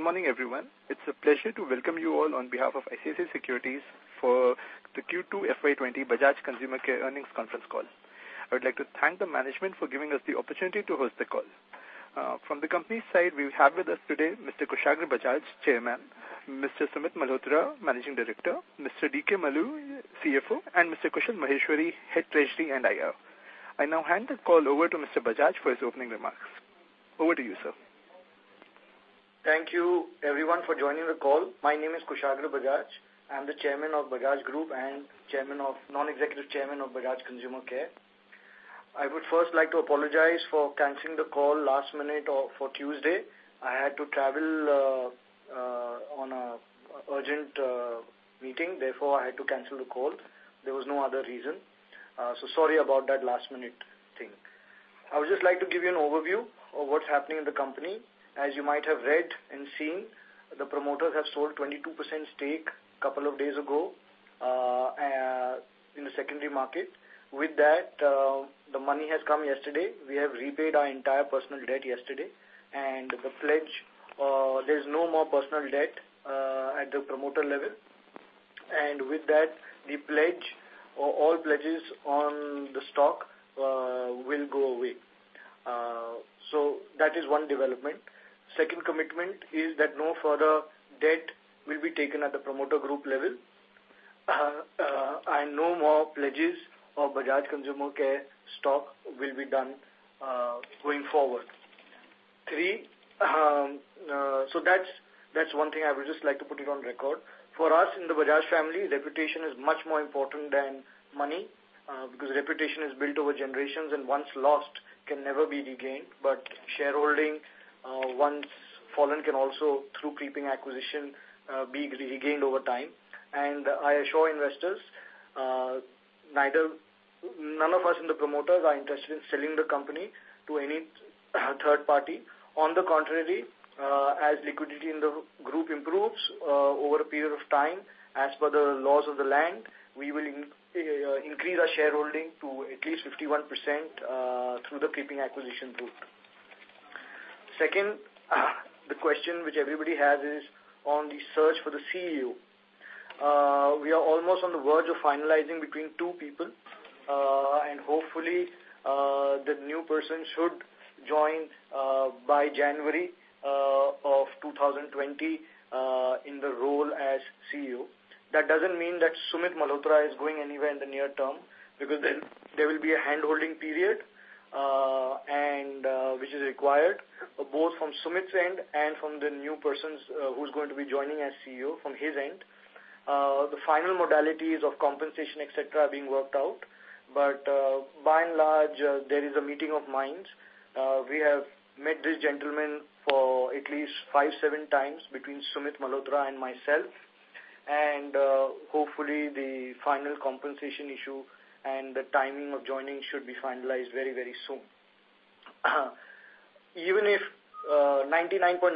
Good morning, everyone. It's a pleasure to welcome you all on behalf of ICICI Securities for the Q2 FY 2020 Bajaj Consumer Care Earnings conference call. I would like to thank the management for giving us the opportunity to host the call. From the company side, we have with us today Mr. Kushagra Bajaj, Chairman, Mr. Sumit Malhotra, Managing Director, Mr. D.K. Maloo, CFO, and Mr. Kushal Maheshwari, Head Treasury and IR. I now hand the call over to Mr. Bajaj for his opening remarks. Over to you, sir. Thank you everyone for joining the call. My name is Kushagra Bajaj. I'm the Chairman of Bajaj Group and Non-Executive Chairman of Bajaj Consumer Care. I would first like to apologize for canceling the call last minute for Tuesday. I had to travel on an urgent meeting. I had to cancel the call. There was no other reason. Sorry about that last-minute thing. I would just like to give you an overview of what's happening in the company. As you might have read and seen, the promoters have sold a 22% stake a couple of days ago in the secondary market. The money has come yesterday. We have repaid our entire personal debt yesterday. There's no more personal debt at the promoter level. With that, all pledges on the stock will go away. That is one development. Second commitment is that no further debt will be taken at the promoter group level, and no more pledges of Bajaj Consumer Care stock will be done going forward. That's one thing I would just like to put it on record. For us in the Bajaj family, reputation is much more important than money, because reputation is built over generations and once lost, can never be regained. Shareholding, once fallen can also, through creeping acquisition, be regained over time. I assure investors, none of us in the promoters are interested in selling the company to any third party. As liquidity in the group improves, over a period of time, as per the laws of the land, we will increase our shareholding to at least 51% through the creeping acquisition route. Second, the question which everybody has is on the search for the CEO. We are almost on the verge of finalizing between two people. Hopefully, the new person should join by January of 2020, in the role as CEO. That doesn't mean that Sumit Malhotra is going anywhere in the near term, because there will be a hand-holding period, which is required both from Sumit's end and from the new person who's going to be joining as CEO from his end. The final modalities of compensation, et cetera, are being worked out, but by and large, there is a meeting of minds. We have met this gentleman for at least five, seven times between Sumit Malhotra and myself. Hopefully, the final compensation issue and the timing of joining should be finalized very, very soon. Even if 99.9%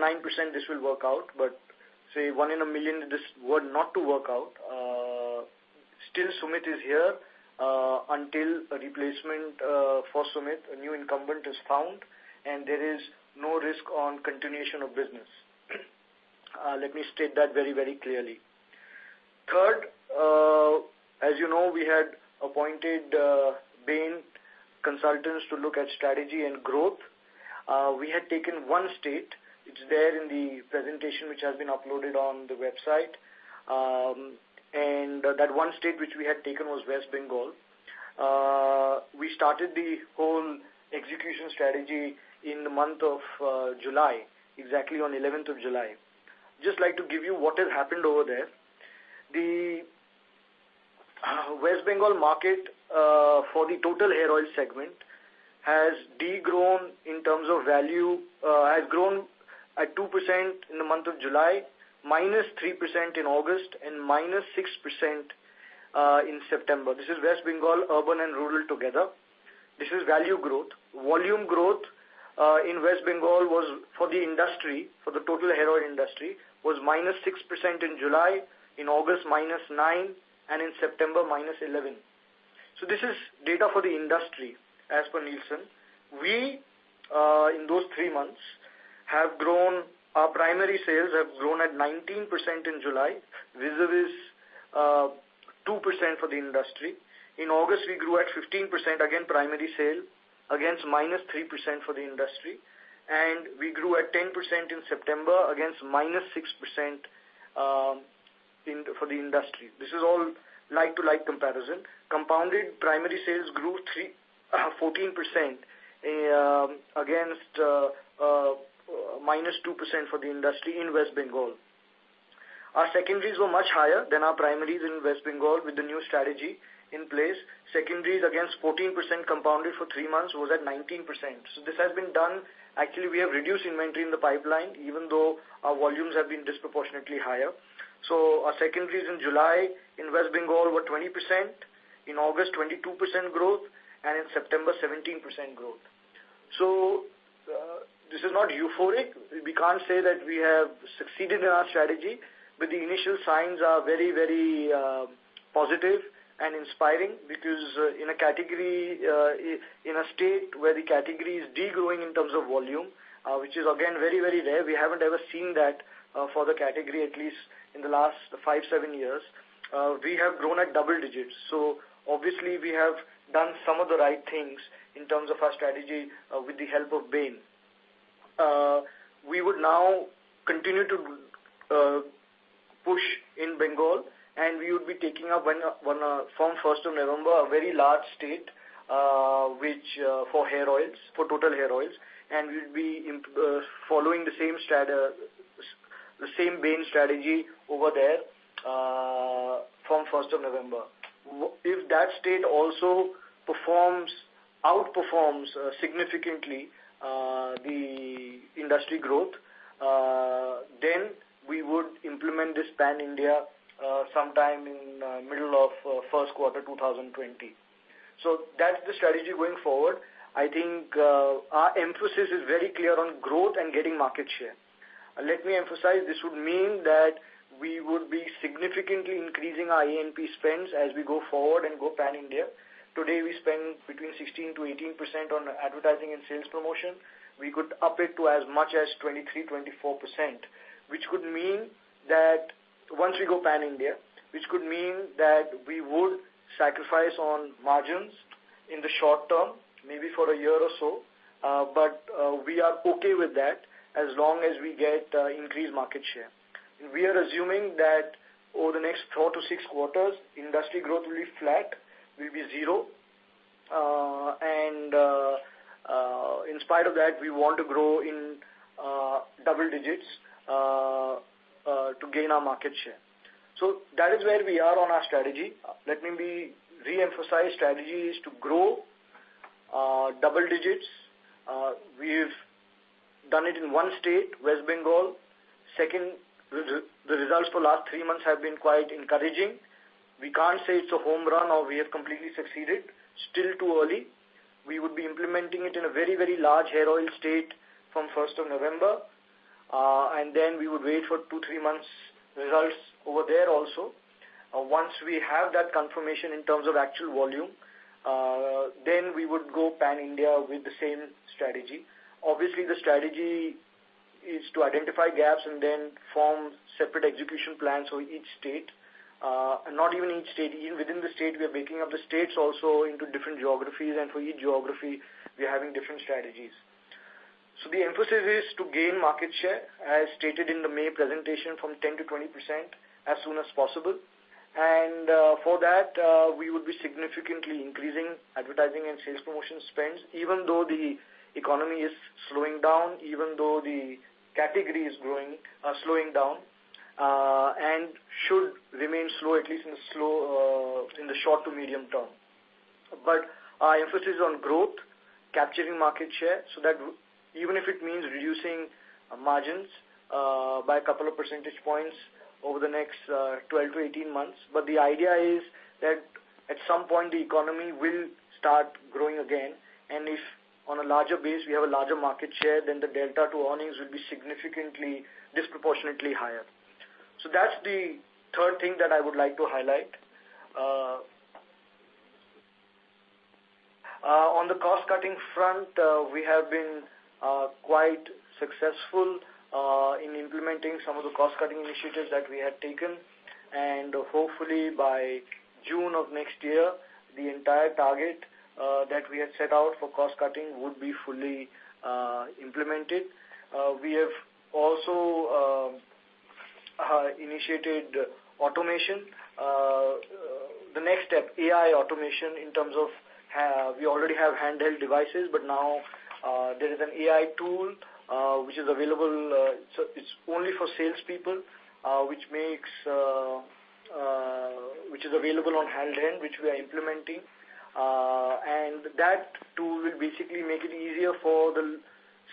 this will work out, but say one in a million, this were not to work out, still Sumit is here until a replacement for Sumit, a new incumbent is found. There is no risk on continuation of business. Let me state that very, very clearly. Third, as you know, we had appointed Bain consultants to look at strategy and growth. We had taken one state, it's there in the presentation which has been uploaded on the website. That one state which we had taken was West Bengal. We started the whole execution strategy in the month of July, exactly on the 11th of July. Just like to give you what has happened over there. The West Bengal market for the total hair oil segment has degrown in terms of value. Has grown at 2% in the month of July, minus 3% in August, and minus 6% in September. This is West Bengal, urban and rural together. This is value growth. Volume growth in West Bengal for the industry, for the total hair oil industry, was minus 6% in July, in August minus 9%, and in September minus 11%. This is data for the industry as per Nielsen. We, in those three months, our primary sales have grown at 19% in July, vis-a-vis 2% for the industry. In August, we grew at 15%, again, primary sale, against minus 3% for the industry, and we grew at 10% in September against minus 6% for the industry. This is all like-to-like comparison. Compounded primary sales grew 14% against minus 2% for the industry in West Bengal. Our secondaries were much higher than our primaries in West Bengal with the new strategy in place. Secondaries against 14% compounded for three months was at 19%. This has been done. Actually, we have reduced inventory in the pipeline, even though our volumes have been disproportionately higher. Our secondaries in July in West Bengal were 20%, in August 22% growth, and in September 17% growth. This is not euphoric. We can't say that we have succeeded in our strategy, but the initial signs are very, very positive and inspiring, because in a state where the category is growing in terms of volume, which is again very, very rare. We haven't ever seen that for the category, at least in the last five, seven years. We have grown at double digits. Obviously we have done some of the right things in terms of our strategy with the help of Bain. We would now continue to push in Bengal, and we would be taking up from 1st of November, a very large state for total hair oils. We'll be following the same Bain strategy over there, from 1st of November. If that state also outperforms significantly, the industry growth, then we would implement this pan-India, sometime in middle of first quarter 2020. That's the strategy going forward. I think our emphasis is very clear on growth and getting market share. Let me emphasize, this would mean that we would be significantly increasing our A&P spends as we go forward and go pan-India. Today we spend between 16%-18% on advertising and sales promotion. We could up it to as much as 23%, 24%, once we go pan-India, which could mean that we would sacrifice on margins in the short term, maybe for a year or so. We are okay with that as long as we get increased market share. We are assuming that over the next four to six quarters, industry growth will be flat, will be zero. In spite of that, we want to grow in double digits to gain our market share. That is where we are on our strategy. Let me reemphasize, strategy is to grow double digits. We've done it in one state, West Bengal. Second, the results for last three months have been quite encouraging. We can't say it's a home run or we have completely succeeded. Still too early. We would be implementing it in a very, very large hair oil state from first of November. Then we would wait for two, three months results over there also. Once we have that confirmation in terms of actual volume, then we would go pan-India with the same strategy. Obviously, the strategy is to identify gaps and then form separate execution plans for each state. Not even each state, even within the state, we are breaking up the states also into different geographies, and for each geography, we're having different strategies. The emphasis is to gain market share, as stated in the May presentation, from 10%-20% as soon as possible. For that, we would be significantly increasing advertising and sales promotion spends even though the economy is slowing down, even though the category is slowing down, and should remain slow at least in the short to medium term. Our emphasis is on growth, capturing market share, so that even if it means reducing margins by a couple of percentage points over the next 12 to 18 months. The idea is that at some point the economy will start growing again, and if on a larger base we have a larger market share, then the delta to earnings will be significantly, disproportionately higher. That's the third thing that I would like to highlight. On the cost-cutting front, we have been quite successful in implementing some of the cost-cutting initiatives that we had taken. Hopefully by June of next year, the entire target that we had set out for cost cutting would be fully implemented. We have also initiated automation. The next step, AI automation, in terms of we already have handheld devices, but now there is an AI tool which is available. It's only for salespeople, which is available on hand-held which we are implementing. That tool will basically make it easier for the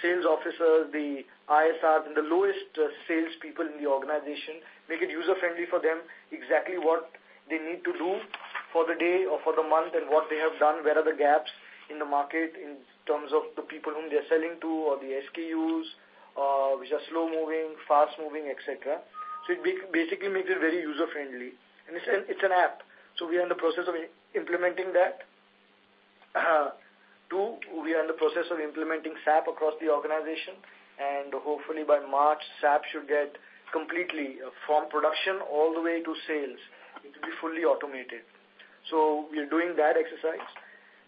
sales officers, the ISRs and the lowest salespeople in the organization. Make it user-friendly for them, exactly what they need to do for the day or for the month and what they have done, where are the gaps in the market in terms of the people whom they are selling to or the SKUs, which are slow-moving, fast-moving, et cetera. It basically makes it very user-friendly, and it's an app. We are in the process of implementing that. Two, we are in the process of implementing SAP across the organization. Hopefully by March, SAP should get completely from production all the way to sales. It will be fully automated. We are doing that exercise.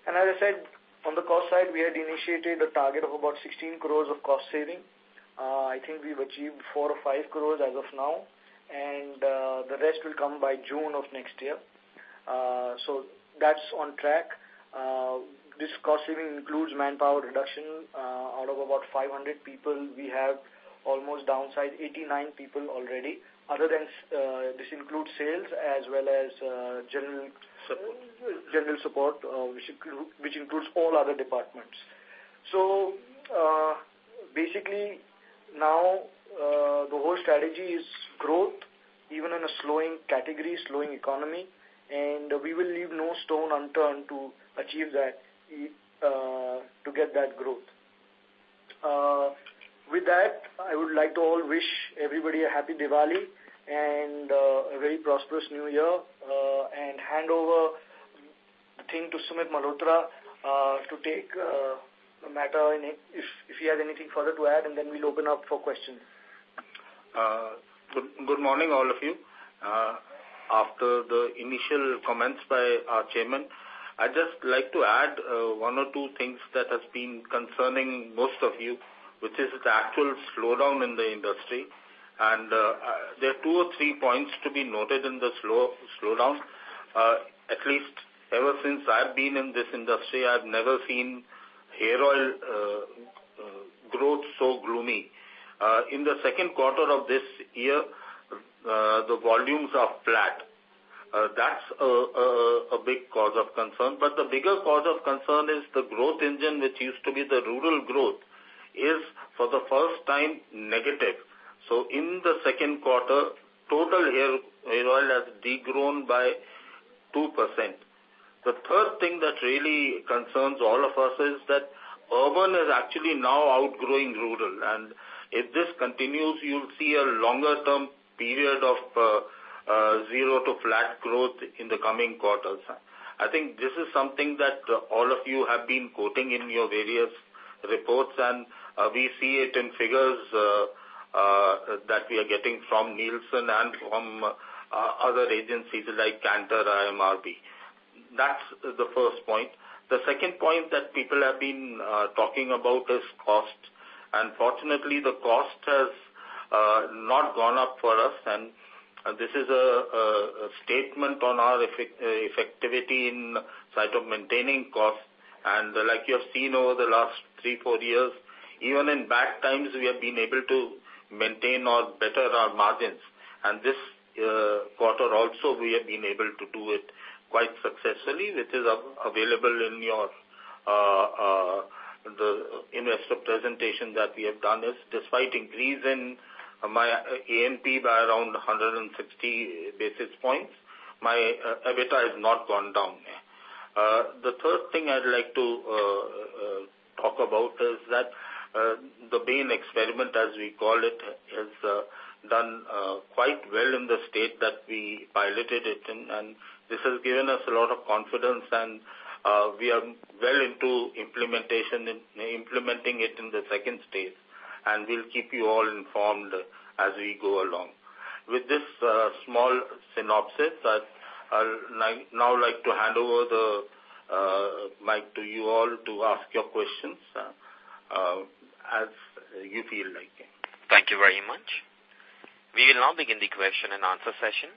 As I said, from the cost side we had initiated a target of about 16 crore of cost saving. I think we've achieved 4 crore or 5 crore as of now, and the rest will come by June of next year. That's on track. This cost saving includes manpower reduction. Out of about 500 people, we have almost downsized 89 people already. This includes sales as well as general. Support general support, which includes all other departments. Basically now, the whole strategy is growth, even in a slowing category, slowing economy, and we will leave no stone unturned to achieve that, to get that growth. With that, I would like to wish everybody a happy Diwali and a very prosperous New Year, and hand over the thing to Sumit Malhotra to take the matter, if he has anything further to add, and then we'll open up for questions. Good morning, all of you. After the initial comments by our chairman, I'd just like to add one or two things that has been concerning most of you, which is the actual slowdown in the industry. There are two or three points to be noted in the slowdown. At least ever since I've been in this industry, I've never seen hair oil growth so gloomy. In the second quarter of this year, the volumes are flat. That's a big cause of concern, but the bigger cause of concern is the growth engine, which used to be the rural growth, is for the first time negative. In the second quarter, total hair oil has de-grown by 2%. The third thing that really concerns all of us is that urban is actually now outgrowing rural. If this continues, you'll see a longer-term period of zero to flat growth in the coming quarters. I think this is something that all of you have been quoting in your various reports. We see it in figures that we are getting from Nielsen and from other agencies like Kantar IMRB. That's the first point. The second point that people have been talking about is cost. Fortunately, the cost has not gone up for us. This is a statement on our effectivity in sight of maintaining cost. Like you have seen over the last three, four years, even in bad times, we have been able to maintain or better our margins. This quarter also, we have been able to do it quite successfully, which is available in the investor presentation that we have done is despite increase in A&P by around 160 basis points, my EBITDA has not gone down. The third thing I'd like to talk about is that the Bain experiment, as we call it, has done quite well in the state that we piloted it in, and this has given us a lot of confidence, and we are well into implementing it in stage 2, and we'll keep you all informed as we go along. With this small synopsis, I'd now like to hand over the mic to you all to ask your questions as you feel like. Thank you very much. We will now begin the question and answer session.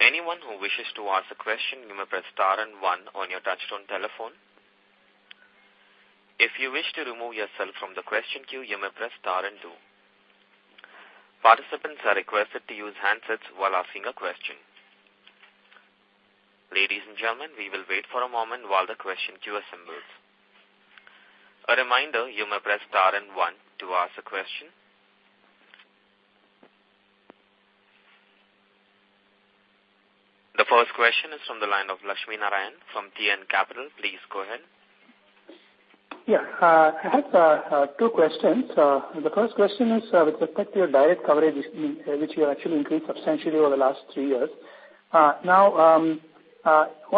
Anyone who wishes to ask a question, you may press star and one on your touchtone telephone. If you wish to remove yourself from the question queue, you may press star and two. Participants are requested to use handsets while asking a question. Ladies and gentlemen, we will wait for a moment while the question queue assembles. A reminder, you may press star and one to ask a question. The first question is from the line of Laxmi Narayan from TN Capital. Please go ahead. Yeah. I have two questions. The first question is with respect to your direct coverage, which you actually increased substantially over the last three years. What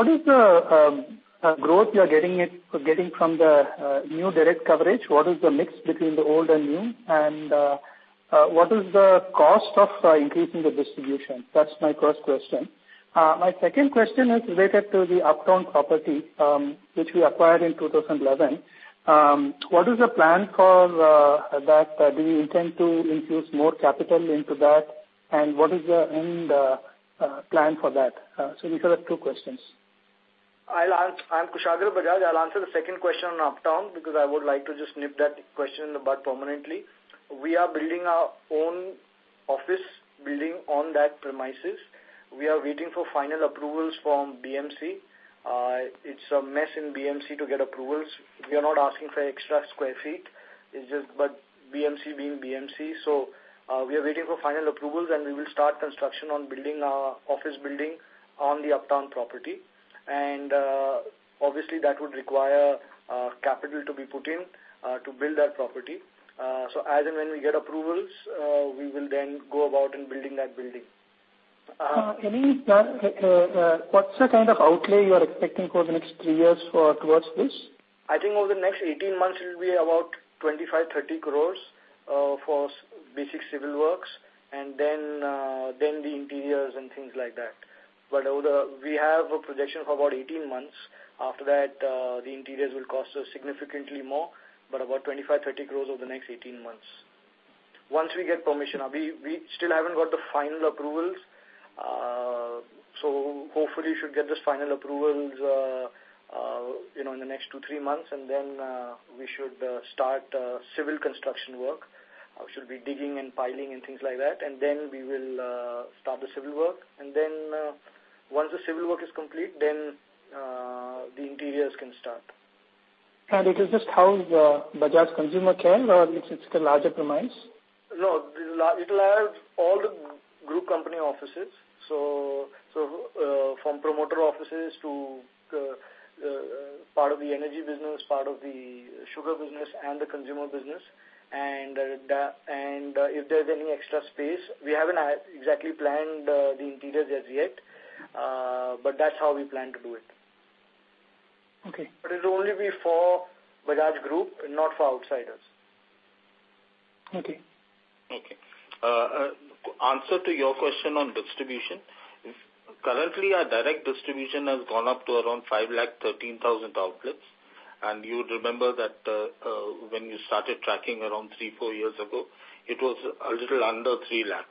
is the growth you're getting from the new direct coverage? What is the mix between the old and new, and what is the cost of increasing the distribution? That's my first question. My second question is related to the Uptown property, which we acquired in 2011. What is the plan for that? Do you intend to infuse more capital into that, and what is the end plan for that? These are the two questions. I'm Kushagra Bajaj. I'll answer the second question on Uptown because I would like to just nip that question in the bud permanently. We are building our own office building on that premises. We are waiting for final approvals from BMC. It's a mess in BMC to get approvals. We are not asking for extra square feet. BMC being BMC. We are waiting for final approvals, and we will start construction on building our office building on the Uptown property. Obviously, that would require capital to be put in to build that property. As and when we get approvals, we will then go about in building that building. What's the kind of outlay you are expecting for the next three years towards this? I think over the next 18 months, it'll be about 25-30 crore for basic civil works, and then the interiors and things like that. We have a projection of about 18 months. After that, the interiors will cost us significantly more, but about 25-30 crore over the next 18 months. Once we get permission. We still haven't got the final approvals, so hopefully should get this final approvals in the next two, three months, and then we should start civil construction work. Should be digging and piling and things like that, and then we will start the civil work. Once the civil work is complete, then the interiors can start. It is just how the Bajaj Consumer Care or it's the larger premise? It'll have all the Group company offices. From promoter offices to part of the energy business, part of the sugar business and the consumer business. If there's any extra space, we haven't exactly planned the interiors as yet, but that's how we plan to do it. Okay. It'll only be for Bajaj Group, not for outsiders. Okay. Okay. Answer to your question on distribution. Currently, our direct distribution has gone up to around 5 lakh, 13,000 outlets. You would remember that when you started tracking around three, four years ago, it was a little under 3 lakh.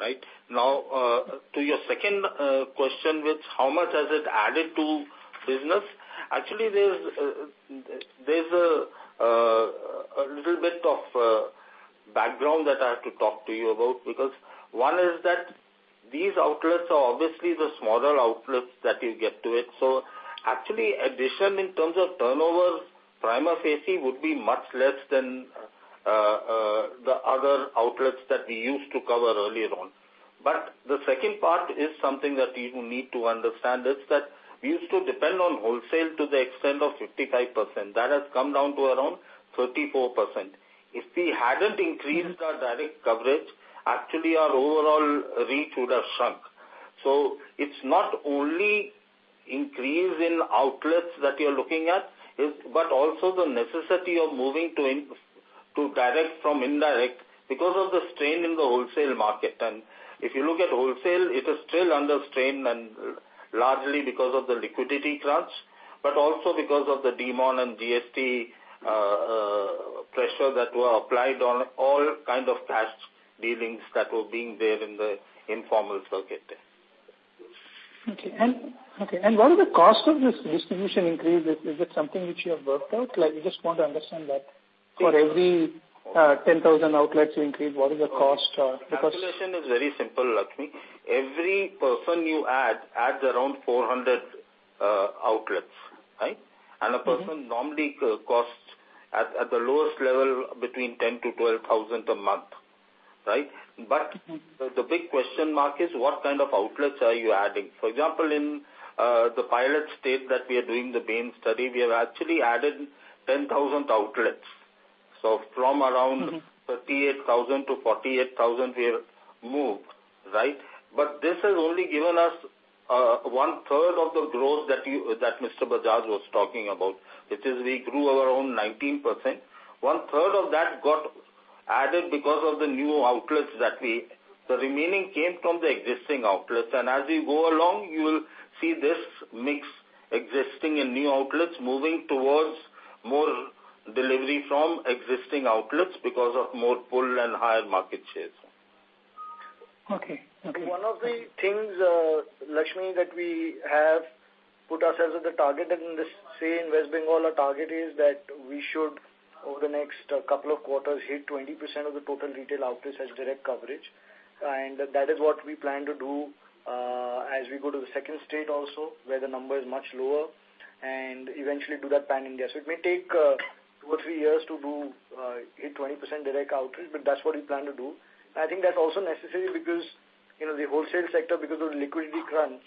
Right? To your second question, which how much has it added to business? There's a little bit of background that I have to talk to you about, because one is that these outlets are obviously the smaller outlets that you get to it. Addition in terms of turnovers, prima facie, would be much less than the other outlets that we used to cover earlier on. The second part is something that you need to understand is that we used to depend on wholesale to the extent of 55%. That has come down to around 34%. If we hadn't increased our direct coverage, actually our overall reach would have shrunk. It's not only increase in outlets that you're looking at, but also the necessity of moving to direct from indirect because of the strain in the wholesale market. If you look at wholesale, it is still under strain, and largely because of the liquidity crunch, but also because of the demonetization and GST pressure that were applied on all kind of cash dealings that were being there in the informal circuit. Okay. What is the cost of this distribution increase? Is it something which you have worked out? I just want to understand that. For every 10,000 outlets you increase, what is the cost? Calculation is very simple, Laxmi. Every person you add, adds around 400 outlets. Right? A person normally costs at the lowest level between 10,000 to 12,000 a month. Right? The big question mark is what kind of outlets are you adding? For example, in the pilot state that we are doing the main study, we have actually added 10,000 outlets. From around. 38,000 to 48,000, we have moved. Right. This has only given us one-third of the growth that Mr. Bajaj was talking about, which is we grew around 19%. One-third of that got added because of the new outlets. The remaining came from the existing outlets. As we go along, you will see this mix existing in new outlets moving towards more delivery from existing outlets because of more pull and higher market shares. Okay. One of the things, Laxmi, that we have put ourselves as a target in this say in West Bengal, our target is that we should, over the next couple of quarters, hit 20% of the total retail outlets as direct coverage. That is what we plan to do, as we go to the second state also, where the number is much lower, and eventually do that pan-India. It may take two or three years to hit 20% direct outreach, but that's what we plan to do. I think that's also necessary because, the wholesale sector, because of liquidity crunch,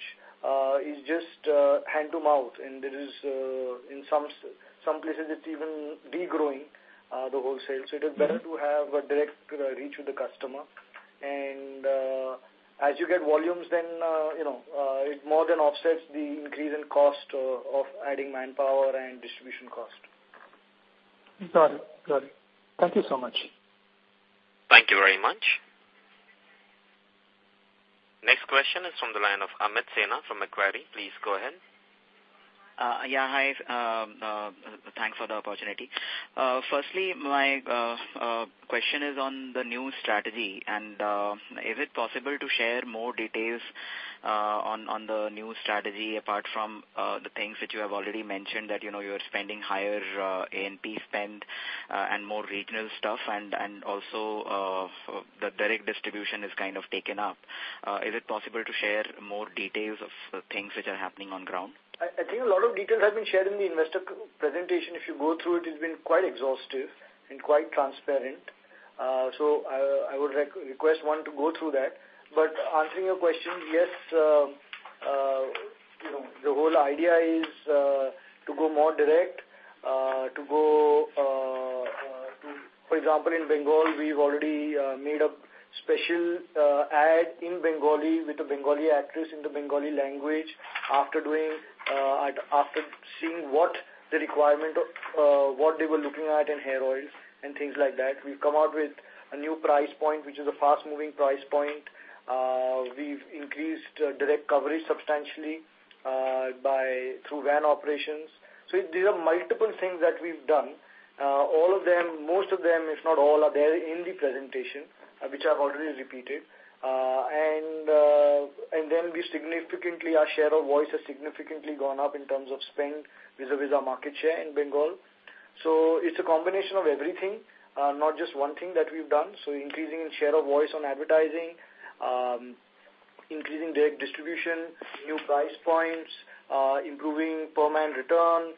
is just hand to mouth. In some places, it's even de-growing the wholesale. It is better to have a direct reach with the customer. As you get volumes, then it more than offsets the increase in cost of adding manpower and distribution cost. Got it. Thank you so much. Thank you very much. Next question is from the line of Amit Sinha from Macquarie. Please go ahead. Yeah, hi. Thanks for the opportunity. Firstly, my question is on the new strategy, and is it possible to share more details on the new strategy apart from the things that you have already mentioned that you're spending higher A&P spend and more regional stuff, and also the direct distribution is kind of taken up. Is it possible to share more details of things which are happening on ground? I think a lot of details have been shared in the investor presentation. If you go through it's been quite exhaustive and quite transparent. I would request one to go through that. Answering your question, yes, the whole idea is to go more direct. For example, in Bengal, we've already made a special ad in Bengali with a Bengali actress in the Bengali language after seeing what they were looking at in hair oils and things like that. We've come out with a new price point, which is a fast-moving price point. We've increased direct coverage substantially through van operations. There are multiple things that we've done. Most of them, if not all, are there in the presentation, which I've already repeated. Our share of voice has significantly gone up in terms of spend vis-à-vis our market share in Bengal. It's a combination of everything, not just one thing that we've done. Increasing in share of voice on advertising, increasing their distribution, new price points, improving per man return,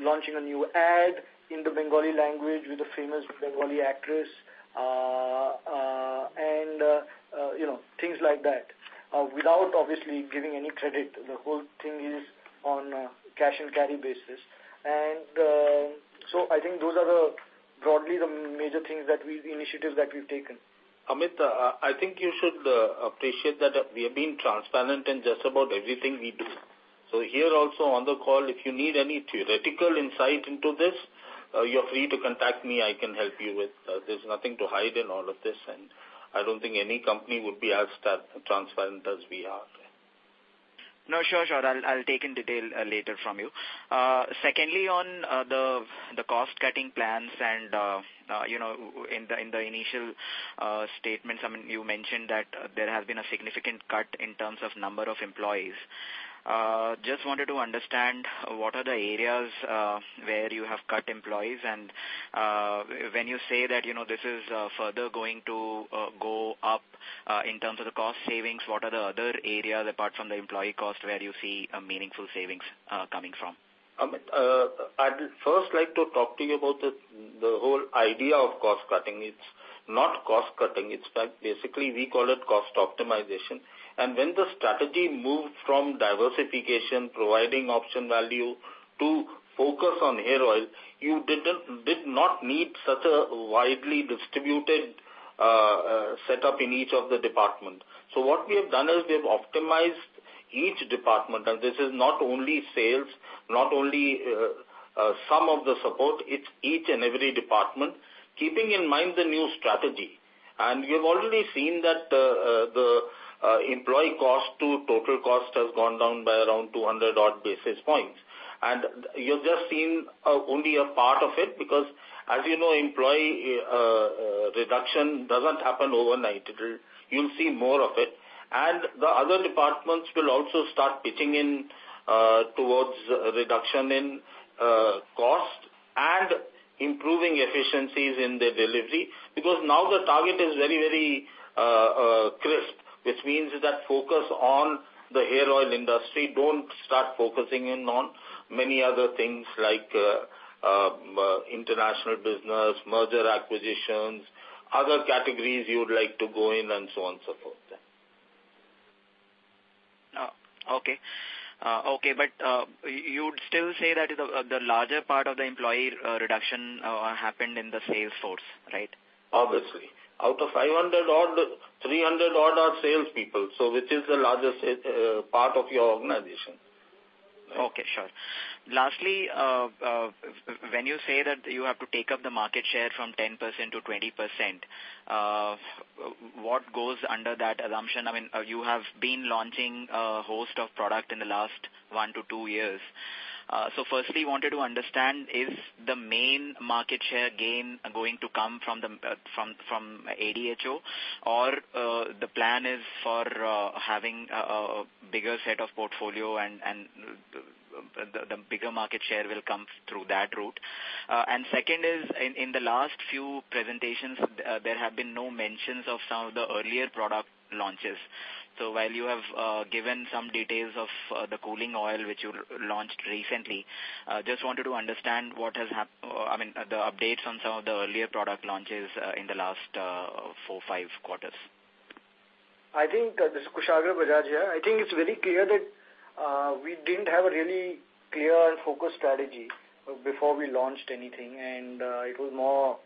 launching a new ad in the Bengali language with a famous Bengali actress, and things like that. Without obviously giving any credit, the whole thing is on a cash-and-carry basis. I think those are broadly the major initiatives that we have taken. Amit, I think you should appreciate that we have been transparent in just about everything we do. Here also on the call, if you need any theoretical insight into this, you're free to contact me, I can help you with. There's nothing to hide in all of this, I don't think any company would be as transparent as we are. No, sure. I'll take in detail later from you. Secondly, on the cost-cutting plans and in the initial statement, you mentioned that there has been a significant cut in terms of number of employees. Just wanted to understand what are the areas where you have cut employees, and when you say that this is further going to go up in terms of the cost savings, what are the other areas apart from the employee cost where you see meaningful savings coming from? Amit, I'd first like to talk to you about the whole idea of cost-cutting. It's not cost-cutting. It's basically, we call it cost optimization. When the strategy moved from diversification, providing option value, to focus on hair oil, you did not need such a widely distributed setup in each of the departments. What we have done is we have optimized each department, and this is not only sales, not only some of the support, it's each and every department, keeping in mind the new strategy. We've already seen that the employee cost to total cost has gone down by around 200 odd basis points. You've just seen only a part of it, because as you know, employee reduction doesn't happen overnight. You'll see more of it. The other departments will also start pitching in towards reduction in cost and improving efficiencies in their delivery. Now the target is very crisp, which means that focus on the hair oil industry, don't start focusing in on many other things like international business, merger acquisitions, other categories you would like to go in, and so on and so forth. Okay. You'd still say that the larger part of the employee reduction happened in the sales force, right? Obviously. Out of 300 odd are salespeople, so which is the largest part of your organization. Okay, sure. Lastly, when you say that you have to take up the market share from 10% to 20%, what goes under that assumption? You have been launching a host of product in the last one to two years. Firstly, wanted to understand if the main market share gain are going to come from ADHO or the plan is for having a bigger set of portfolio and the bigger market share will come through that route. Second is, in the last few presentations, there have been no mentions of some of the earlier product launches. While you have given some details of the cooling oil, which you launched recently, just wanted to understand the updates on some of the earlier product launches in the last four, five quarters. This is Kushagra Bajaj here. I think it's very clear that we didn't have a really clear and focused strategy before we launched anything, and it was more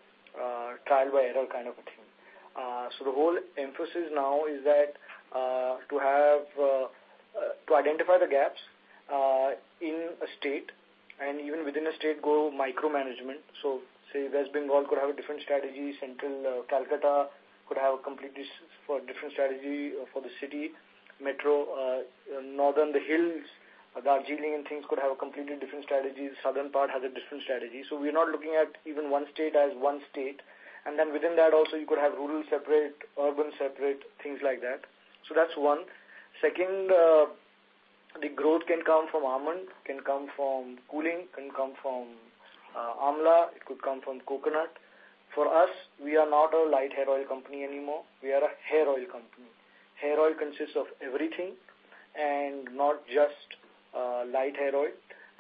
trial by error kind of a thing. The whole emphasis now is that to identify the gaps in a state and even within a state, go micro-management. Say West Bengal could have a different strategy, central Kolkata could have a completely different strategy for the city, metro, northern, the hills, Darjeeling and things could have a completely different strategy. Southern part has a different strategy. We're not looking at even one state as one state. Then within that also, you could have rural separate, urban separate, things like that. That's one. Second, the growth can come from Almond, can come from cooling, can come from Amla, it could come from coconut. For us, we are not a light hair oil company anymore. We are a hair oil company. Hair oil consists of everything and not just light hair oil.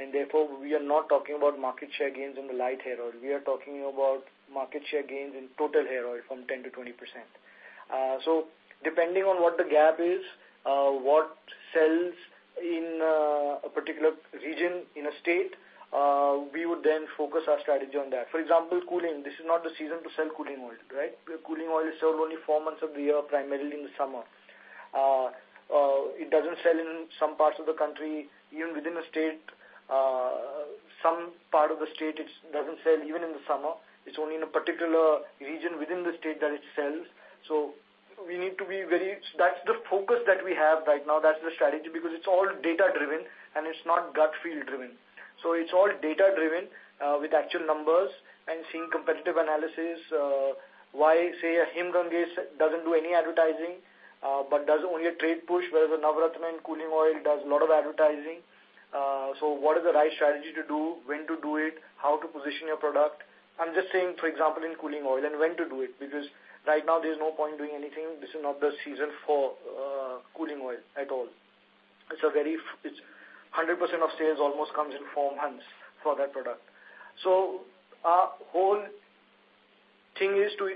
Therefore, we are not talking about market share gains in the light hair oil. We are talking about market share gains in total hair oil from 10% to 20%. Depending on what the gap is, what sells in a particular region in a state, we would then focus our strategy on that. For example, cooling. This is not the season to sell cooling oil. Cooling oil is sold only four months of the year, primarily in the summer. It doesn't sell in some parts of the country, even within a state. Some part of the state, it doesn't sell even in the summer. It's only in a particular region within the state that it sells. That's the focus that we have right now. That's the strategy, because it's all data-driven and it's not gut feel driven. It's all data-driven with actual numbers and seeing competitive analysis. Why, say, a Himgange doesn't do any advertising, but does only a trade push, whereas a Navratna and cooling oil does a lot of advertising. What is the right strategy to do, when to do it, how to position your product? I'm just saying, for example, in cooling oil and when to do it, because right now there's no point doing anything. This is not the season for cooling oil at all. 100% of sales almost comes in four months for that product. Our whole thing is to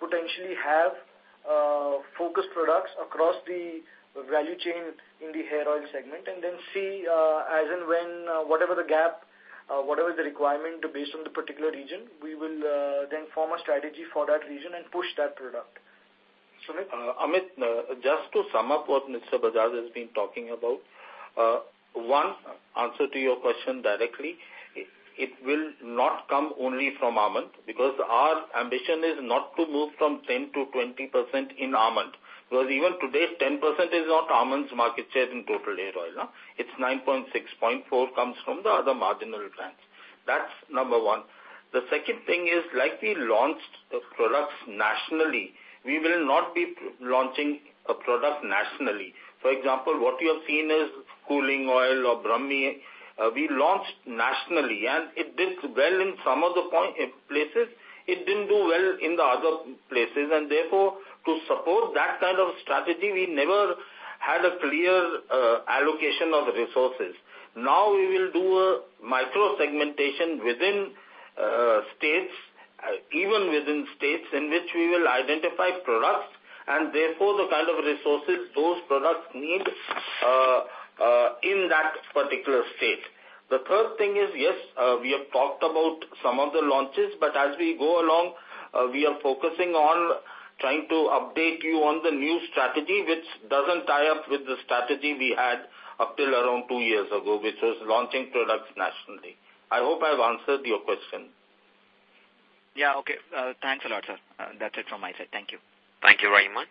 potentially have focused products across the value chain in the hair oil segment, and then see as and when, whatever the gap, whatever the requirement based on the particular region, we will then form a strategy for that region and push that product. Sumit? Amit, just to sum up what Mr. Bajaj has been talking about. One, answer to your question directly, it will not come only from Almond, because our ambition is not to move from 10%-20% in Almond. Because even today, 10% is not Almond's market share in total hair oil. It's 9.6.4 comes from the other marginal brands. That's number one. The second thing is, like we launched the products nationally, we will not be launching a product nationally. For example, what you have seen is cooling oil or Brahmi, we launched nationally, and it did well in some of the places, it didn't do well in the other places, and therefore, to support that kind of strategy, we never had a clear allocation of resources. Now we will do a micro-segmentation within states, even within states, in which we will identify products, and therefore the kind of resources those products need in that particular state. The third thing is, yes, we have talked about some of the launches, but as we go along, we are focusing on trying to update you on the new strategy, which doesn't tie up with the strategy we had up till around two years ago, which was launching products nationally. I hope I've answered your question. Okay. Thanks a lot, sir. That's it from my side. Thank you. Thank you very much.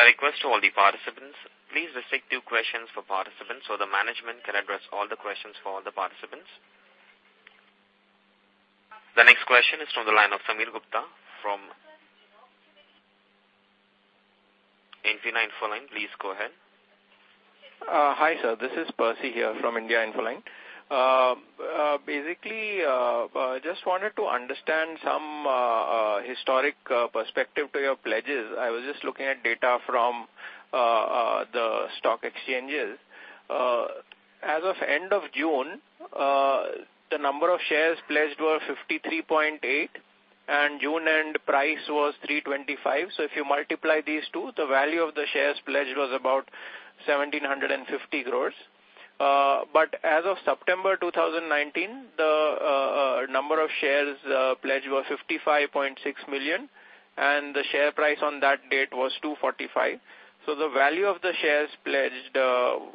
A request to all the participants. Please restrict to questions for participants so the management can address all the questions for all the participants. The next question is from the line of Sameer Gupta from India Infoline. Please go ahead. Hi, sir. This is Percy here from India Infoline. Just wanted to understand some historic perspective to your pledges. I was just looking at data from the stock exchanges. As of end of June, the number of shares pledged were 53.8, June end price was 325. If you multiply these two, the value of the shares pledged was about 1,750 crore. As of September 2019, the number of shares pledged was 55.6 million, the share price on that date was 245. The value of the shares pledged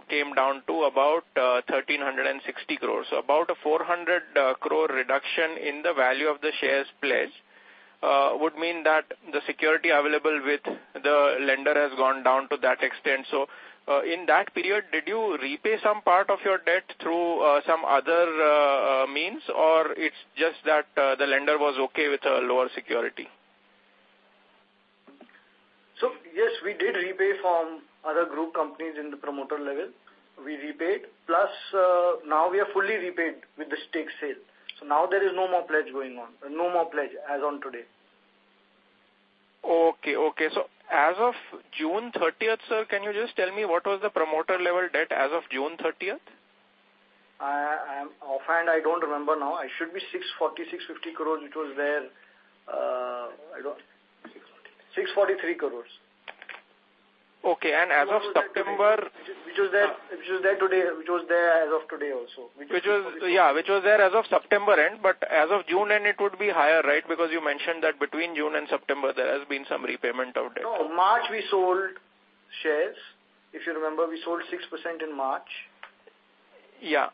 came down to about 1,360 crore. About a 400 crore reduction in the value of the shares pledged would mean that the security available with the lender has gone down to that extent. In that period, did you repay some part of your debt through some other means, or it's just that the lender was okay with a lower security? Yes, we did repay from other group companies in the promoter level. We repaid. Plus now we are fully repaid with the stake sale. Now there is no more pledge going on, no more pledge as on today. Okay. As of June 30th, sir, can you just tell me what was the promoter level debt as of June 30th? Offhand, I don't remember now. It should be 646-650 crores. It was there. 643. 643 crores. Okay. As of September Which was there as of today also. Yeah. Which was there as of September end, but as of June end, it would be higher, right? You mentioned that between June and September, there has been some repayment of debt. No, March, we sold shares. If you remember, we sold 6% in March. Yeah.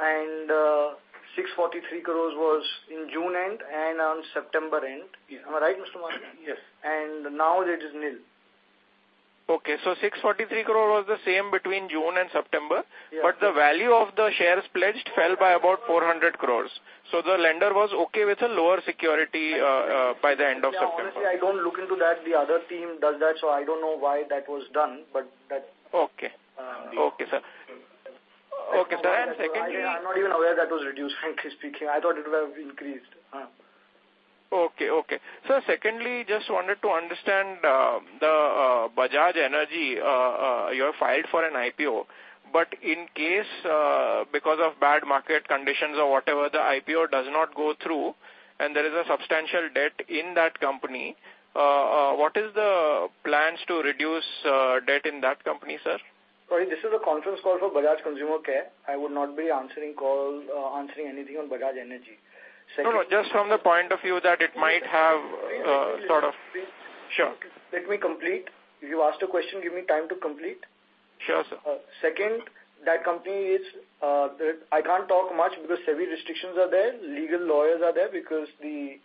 643 crores was in June end and on September end. Am I right, Mr. Maloo? Yes. Now it is nil. Okay. 643 crore was the same between June and September. Yes. The value of the shares pledged fell by about 400 crore. The lender was okay with a lower security by the end of September. Yeah. Honestly, I don't look into that. The other team does that. I don't know why that was done. Okay, sir. Okay. secondly- I'm not even aware that was reduced, frankly speaking. I thought it would have increased. Okay. Sir, secondly, just wanted to understand the Bajaj Energy. You have filed for an IPO, in case because of bad market conditions or whatever, the IPO does not go through and there is a substantial debt in that company, what is the plans to reduce debt in that company, sir? Sorry, this is a conference call for Bajaj Consumer Care. I would not be answering anything on Bajaj Energy. Secondly. No. Just from the point of view that it might have sort of Sure. Let me complete. You asked a question, give me time to complete. Sure, sir. Second, I can't talk much because severe restrictions are there. Legal lawyers are there because the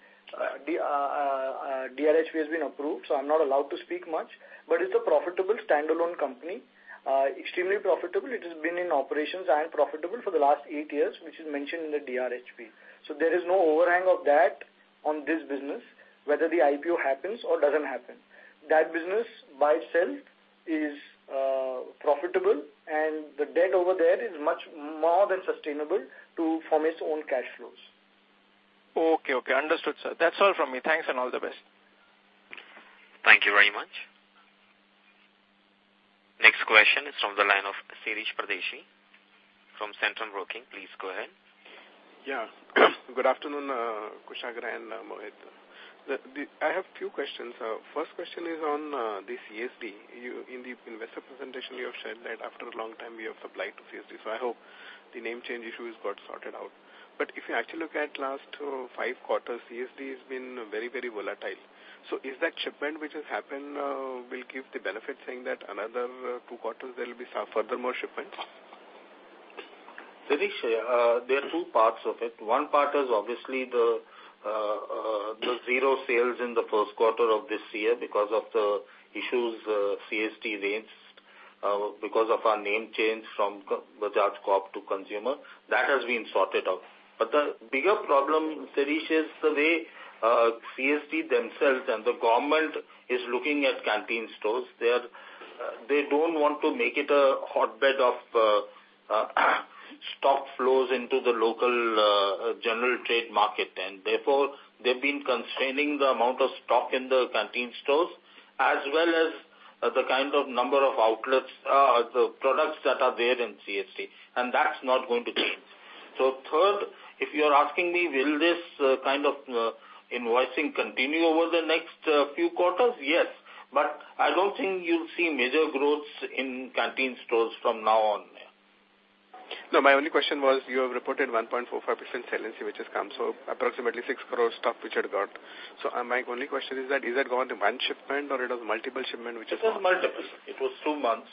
DRHP has been approved, I'm not allowed to speak much. It's a profitable standalone company. Extremely profitable. It has been in operations and profitable for the last eight years, which is mentioned in the DRHP. There is no overhang of that on this business, whether the IPO happens or doesn't happen. That business by itself is profitable, and the debt over there is much more than sustainable from its own cash flows. Okay. Understood, sir. That's all from me. Thanks, and all the best. Thank you very much. Next question is from the line of Shirish Pardeshi from Centrum Broking. Please go ahead. Good afternoon, Kushagra and Sumit. I have two questions. First question is on the CSD. In the investor presentation, you have said that after a long time, we have supplied to CSD. I hope the name change issue has got sorted out. If you actually look at last five quarters, CSD has been very volatile. Is that shipment which has happened, will give the benefit saying that another two quarters there will be further more shipments? Shirish, there are two parts of it. One part is obviously the zero sales in the first quarter of this year because of the issues CSD raised because of our name change from Bajaj Corp to Consumer. That has been sorted out. The bigger problem, Shirish, is the way CSD themselves and the government is looking at canteen stores. They don't want to make it a hotbed of stock flows into the local general trade market, and therefore, they've been constraining the amount of stock in the canteen stores, as well as the kind of number of outlets, the products that are there in CSD, and that's not going to change. Third, if you're asking me, will this kind of invoicing continue over the next few quarters? Yes. I don't think you'll see major growth in canteen stores from now on. My only question was, you have reported 1.45% sales, which has come, approximately 6 crore stock which had got. My only question is that, is that gone to one shipment or it was multiple shipment? It was multiple. It was two months.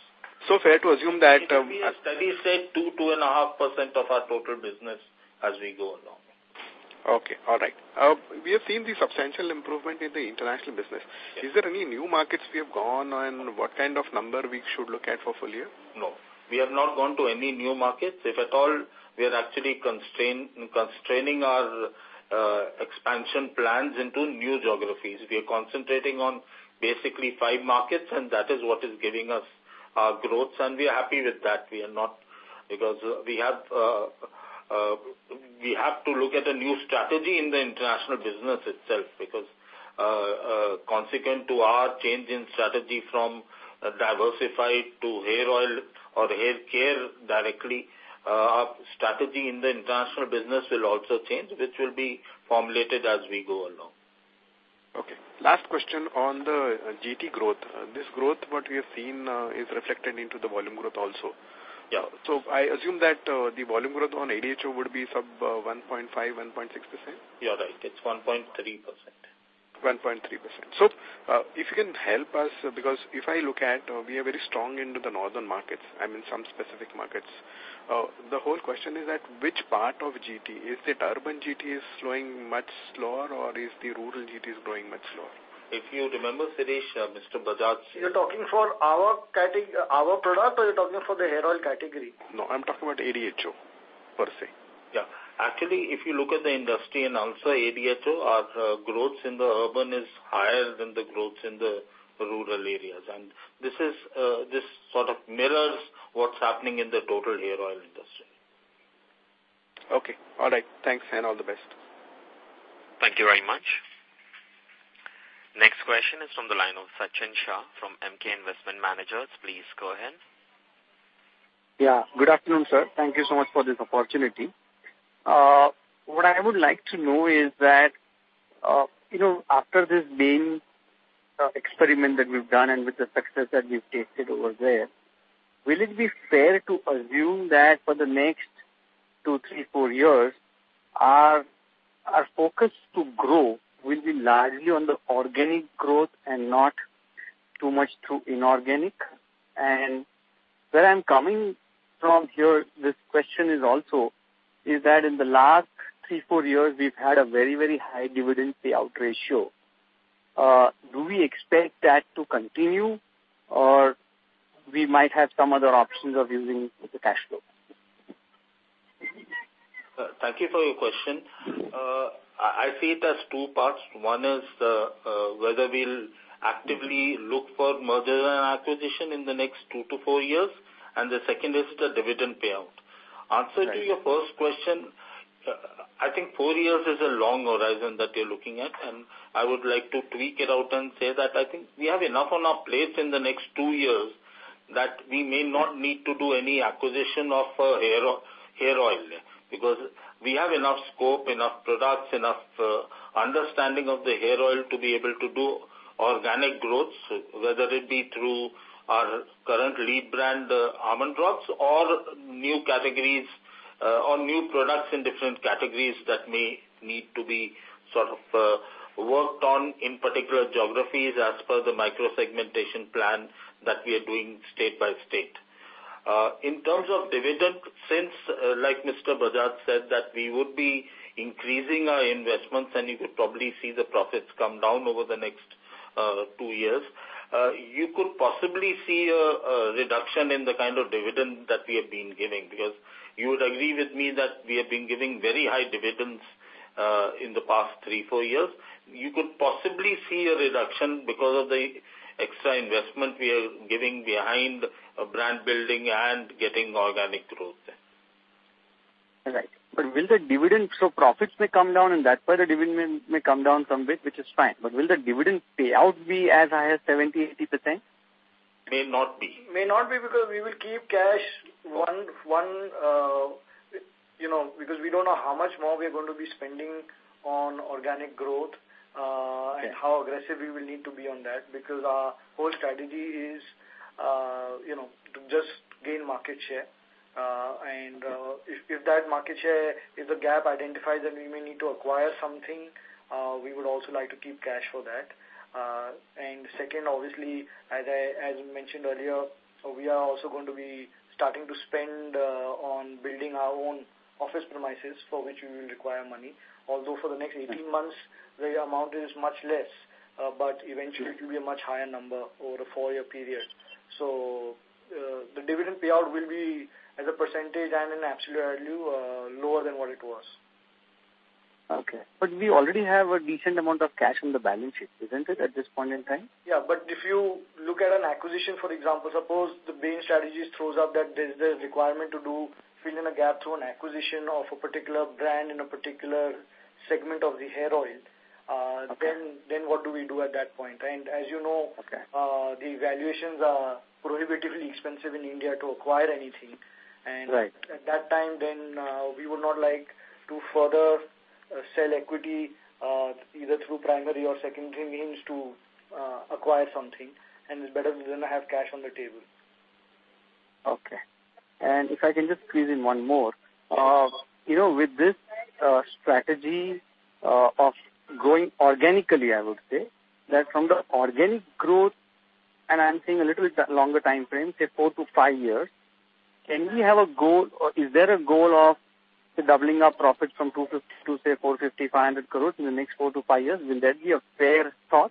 So fair to assume that- It will be a steady state, 2.5% of our total business as we go along. Okay. All right. We have seen the substantial improvement in the international business. Yes. Is there any new markets we have gone, and what kind of number we should look at for full year? No. We have not gone to any new markets. If at all, we are actually constraining our expansion plans into new geographies. We are concentrating on basically five markets, and that is what is giving us our growth, and we are happy with that. Because we have to look at a new strategy in the international business itself, because consequent to our change in strategy from diversified to hair oil or hair care directly, our strategy in the international business will also change, which will be formulated as we go along. Last question on the GT growth. This growth what we have seen is reflected into the volume growth also. Yeah. I assume that the volume growth on ADHO would be sub 1.5%, 1.6%? You're right. It's 1.3%. 1.3%. If you can help us, because if I look at, we are very strong into the northern markets. I mean, some specific markets. The whole question is that which part of GT? Is it urban GT is growing much slower, or is the rural GT is growing much slower? If you remember, Shirish, Mr. Bajaj said. You're talking for our product, or you're talking for the hair oil category? No, I'm talking about ADHO per se. Yeah. Actually, if you look at the industry and also ADHO, our growth in the urban is higher than the growth in the rural areas. This sort of mirrors what's happening in the total hair oil industry. Okay. All right. Thanks, and all the best. Thank you very much. Next question is from the line of Sachin Shah from Emkay Investment Managers. Please go ahead. Yeah, good afternoon, sir. Thank you so much for this opportunity. What I would like to know is that, after this Bain experiment that we've done and with the success that we've tasted over there, will it be fair to assume that for the next two, three, four years, our focus to grow will be largely on the organic growth and not too much through inorganic? Where I'm coming from here, this question is also, is that in the last three, four years, we've had a very high dividend payout ratio. Do we expect that to continue, or we might have some other options of using the cash flow? Thank you for your question. I see it as two parts. One is whether we'll actively look for merger and acquisition in the next two to four years, and the second is the dividend payout. Answer to your first question, I think four years is a long horizon that you're looking at, and I would like to tweak it out and say that I think we have enough on our plates in the next two years that we may not need to do any acquisition of hair oil, because we have enough scope, enough products, enough understanding of the hair oil to be able to do organic growth, whether it be through our current lead brand, Almond Drops, or new categories or new products in different categories that may need to be sort of worked on in particular geographies as per the micro-segmentation plan that we are doing state by state. In terms of dividend, since like Mr. Bajaj said that we would be increasing our investments and you could probably see the profits come down over the next two years, you could possibly see a reduction in the kind of dividend that we have been giving, because you would agree with me that we have been giving very high dividends in the past three, four years. You could possibly see a reduction because of the extra investment we are giving behind brand building and getting organic growth there. Right. Profits may come down, and thereby the dividend may come down somewhat, which is fine, but will the dividend payout be as high as 70%, 80%? May not be. May not be because we will keep cash, because we don't know how much more we are going to be spending on organic growth. Okay How aggressive we will need to be on that, because our whole strategy is to just gain market share. If that market share, if the gap identifies that we may need to acquire something, we would also like to keep cash for that. Second, obviously, as mentioned earlier, we are also going to be starting to spend on building our own office premises, for which we will require money. Although for the next 18 months, the amount is much less, but eventually it will be a much higher number over a 4-year period. The dividend payout will be as a percentage and in absolute value, lower than what it was. Okay. We already have a decent amount of cash on the balance sheet, isn't it, at this point in time? Yeah, if you look at an acquisition, for example, suppose the Bain strategy throws up that there's a requirement to fill in a gap through an acquisition of a particular brand in a particular segment of the hair oil- Okay What do we do at that point? As you know. Okay The valuations are prohibitively expensive in India to acquire anything. Right. At that time, we would not like to further sell equity, either through primary or secondary means to acquire something, and it is better we then have cash on the table. Okay. If I can just squeeze in one more. With this strategy of growing organically, I would say, that from the organic growth, and I am saying a little bit longer timeframe, say four to five years, is there a goal of doubling our profits from 250 crore to, say, 450 crore, 500 crore in the next four to five years? Will that be a fair thought?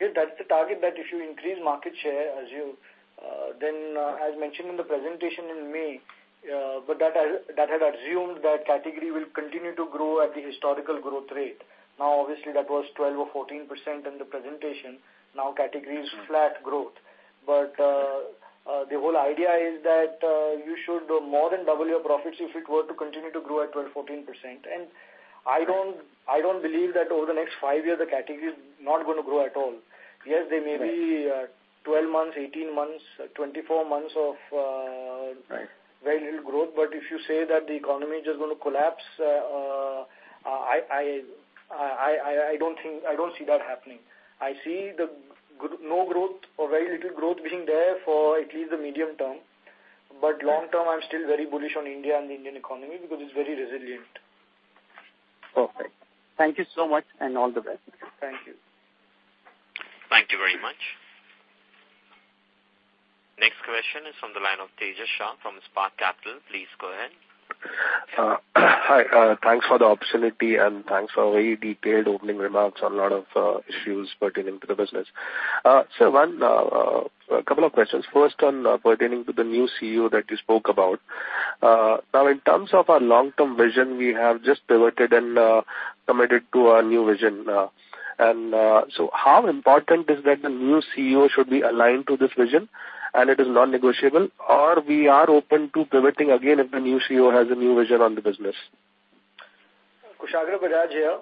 Yes, that's the target, that if you increase market share, as mentioned in the presentation in May. That had assumed that category will continue to grow at the historical growth rate. Obviously, that was 12% or 14% in the presentation. Category is flat growth. The whole idea is that you should more than double your profits if it were to continue to grow at 12%, 14%. I don't believe that over the next five years, the category is not going to grow at all. Yes, there may be 12 months, 18 months, 24 months. Right very little growth. If you say that the economy is just going to collapse, I don't see that happening. I see no growth or very little growth being there for at least the medium term. Long term, I'm still very bullish on India and the Indian economy because it's very resilient. Perfect. Thank you so much, and all the best. Thank you. Thank you very much. Next question is from the line of Tejas Shah from Spark Capital. Please go ahead. Hi. Thanks for the opportunity, and thanks for very detailed opening remarks on a lot of issues pertaining to the business. One, a couple of questions. First, pertaining to the new CEO that you spoke about. Now, in terms of our long-term vision, we have just pivoted and committed to our new vision. How important is that the new CEO should be aligned to this vision and it is non-negotiable? Or we are open to pivoting again if the new CEO has a new vision on the business? Kushagra Bajaj here.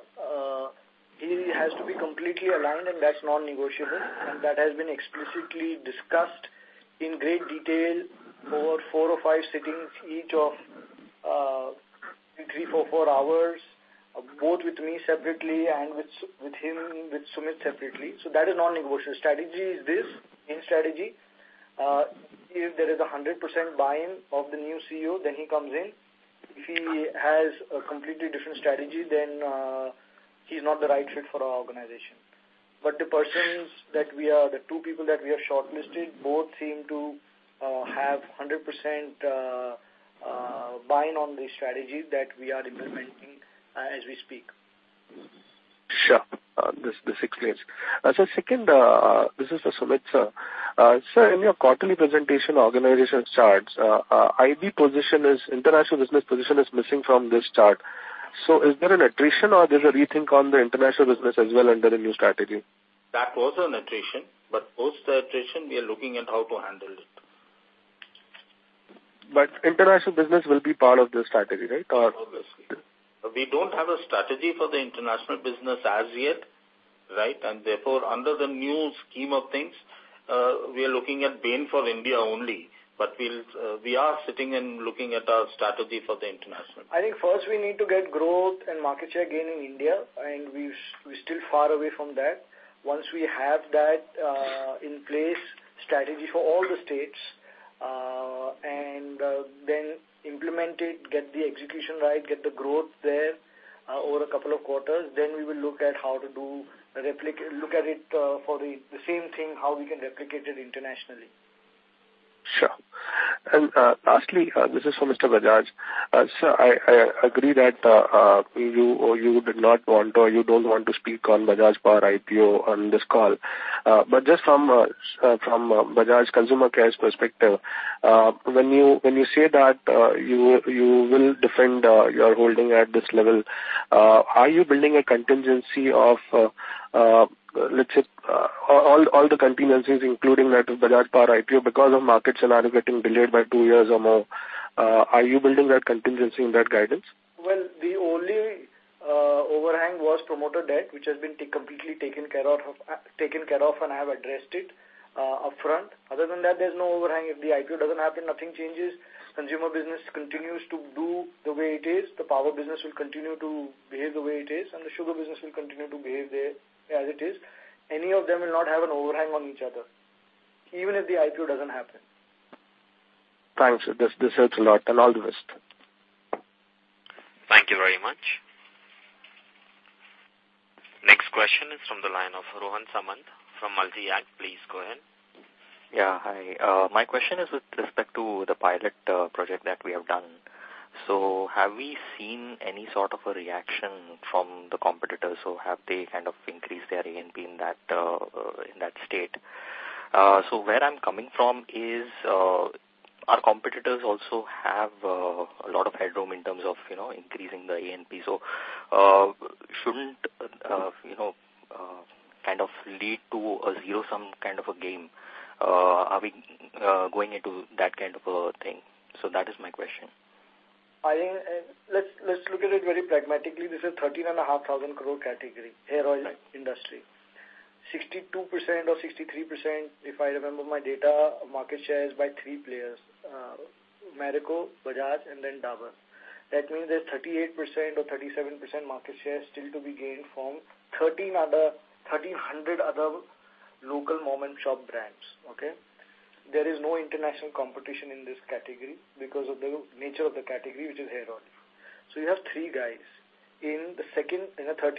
He has to be completely aligned, and that's non-negotiable. That has been explicitly discussed in great detail over four or five sittings, each of three, four hours, both with me separately and with Sumit separately. That is non-negotiable. Strategy is this. If there is 100% buy-in of the new CEO, then he comes in. If he has a completely different strategy, then he's not the right fit for our organization. The two people that we have shortlisted, both seem to have 100% buy-in on the strategy that we are implementing as we speak. Sure. This explains. Second, this is for Sumit, sir. Sir, in your quarterly presentation organization charts, IB position, International Business position is missing from this chart. Is there an attrition or there's a rethink on the international business as well under the new strategy? That was on attrition, but post the attrition, we are looking at how to handle it. International business will be part of this strategy, right? Obviously. We don't have a strategy for the international business as yet. Right? Therefore, under the new scheme of things, we are looking at Bain for India only. We are sitting and looking at our strategy for the international. I think first we need to get growth and market share gain in India, and we're still far away from that. Once we have that in place, strategy for all the states, and then implement it, get the execution right, get the growth there over a couple of quarters, we will look at it for the same thing, how we can replicate it internationally. Sure. Lastly, this is for Mr. Bajaj. Sir, I agree that you did not want or you don't want to speak on Bajaj Power IPO on this call. Just from Bajaj Consumer Care's perspective, when you say that you will defend your holding at this level, are you building a contingency of, let's say, all the contingencies, including that of Bajaj Power IPO, because of market scenario getting delayed by two years or more? Are you building that contingency in that guidance? The only overhang was promoter debt, which has been completely taken care of, and I have addressed it upfront. Other than that, there is no overhang. If the IPO doesn't happen, nothing changes. Consumer business continues to do the way it is. The power business will continue to behave the way it is, and the sugar business will continue to behave as it is. Any of them will not have an overhang on each other, even if the IPO doesn't happen. Thanks. This helps a lot. All the best. Thank you very much. Next question is from the line of Rohan Samant from Multi-Act. Please go ahead. Yeah, hi. My question is with respect to the pilot project that we have done. Have we seen any sort of a reaction from the competitors, or have they increased their A&P in that state? Where I'm coming from is, our competitors also have a lot of headroom in terms of increasing the A&P. Shouldn't it lead to a zero-sum kind of a game? Are we going into that kind of a thing? That is my question. Let's look at it very pragmatically. This is an 13,500 crore category, hair oil industry. 62% or 63%, if I remember my data, market share is by three players, Marico, Bajaj, and then Dabur. That means there's 38% or 37% market share still to be gained from 1,300 other local mom-and-child brands. Okay? There is no international competition in this category because of the nature of the category, which is hair oil. You have three guys in the 13,500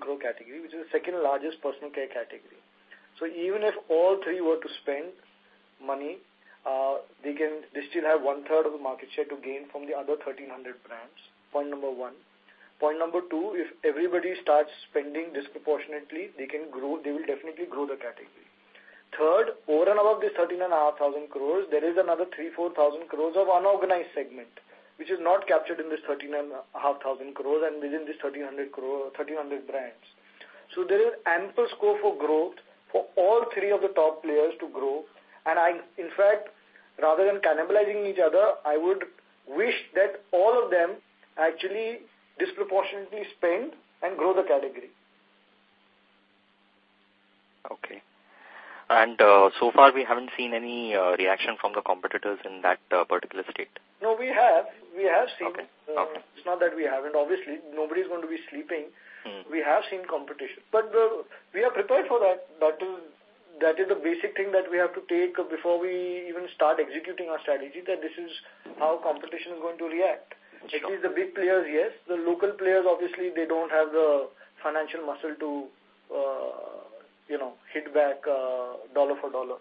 crore category, which is the second-largest personal care category. Even if all three were to spend money, they still have 1/3 of the market share to gain from the other 1,300 brands, point number one. Point number two, if everybody starts spending disproportionately, they will definitely grow the category. Third, over and above this 13,500 crore, there is another 3,000 crore or 4,000 crore of unorganized segment, which is not captured in this 13,500 crore and within these 1,300 brands. There is ample scope for growth for all three of the top players to grow. In fact, rather than cannibalizing each other, I would wish that all of them actually disproportionately spend and grow the category. Okay. So far, we haven't seen any reaction from the competitors in that particular state? No, we have seen. Okay. It's not that we haven't. Obviously, nobody's going to be sleeping. We have seen competition. We are prepared for that. That is the basic thing that we have to take up before we even start executing our strategy, that this is how competition is going to react. Sure. At least the big players, yes. The local players, obviously, they don't have the financial muscle to hit back dollar for dollar.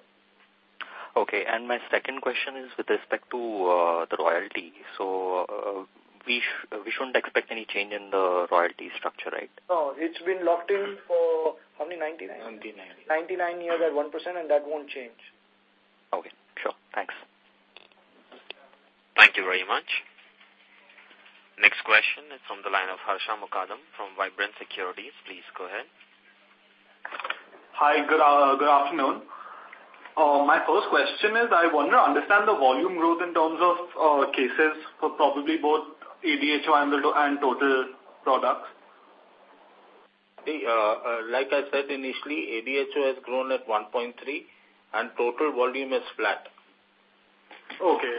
Okay. My second question is with respect to the royalty. We shouldn't expect any change in the royalty structure, right? No, it's been locked in for how many, 99? Ninety-nine. 99 years at 1%, and that won't change. Okay, sure. Thanks. Thank you very much. Next question is from the line of Harsha Mokadam from Vibrant Securities. Please go ahead. Hi, good afternoon. My first question is, I want to understand the volume growth in terms of cases for probably both ADHO and total products. Like I said initially, ADHO has grown at 1.3% and total volume is flat. Okay.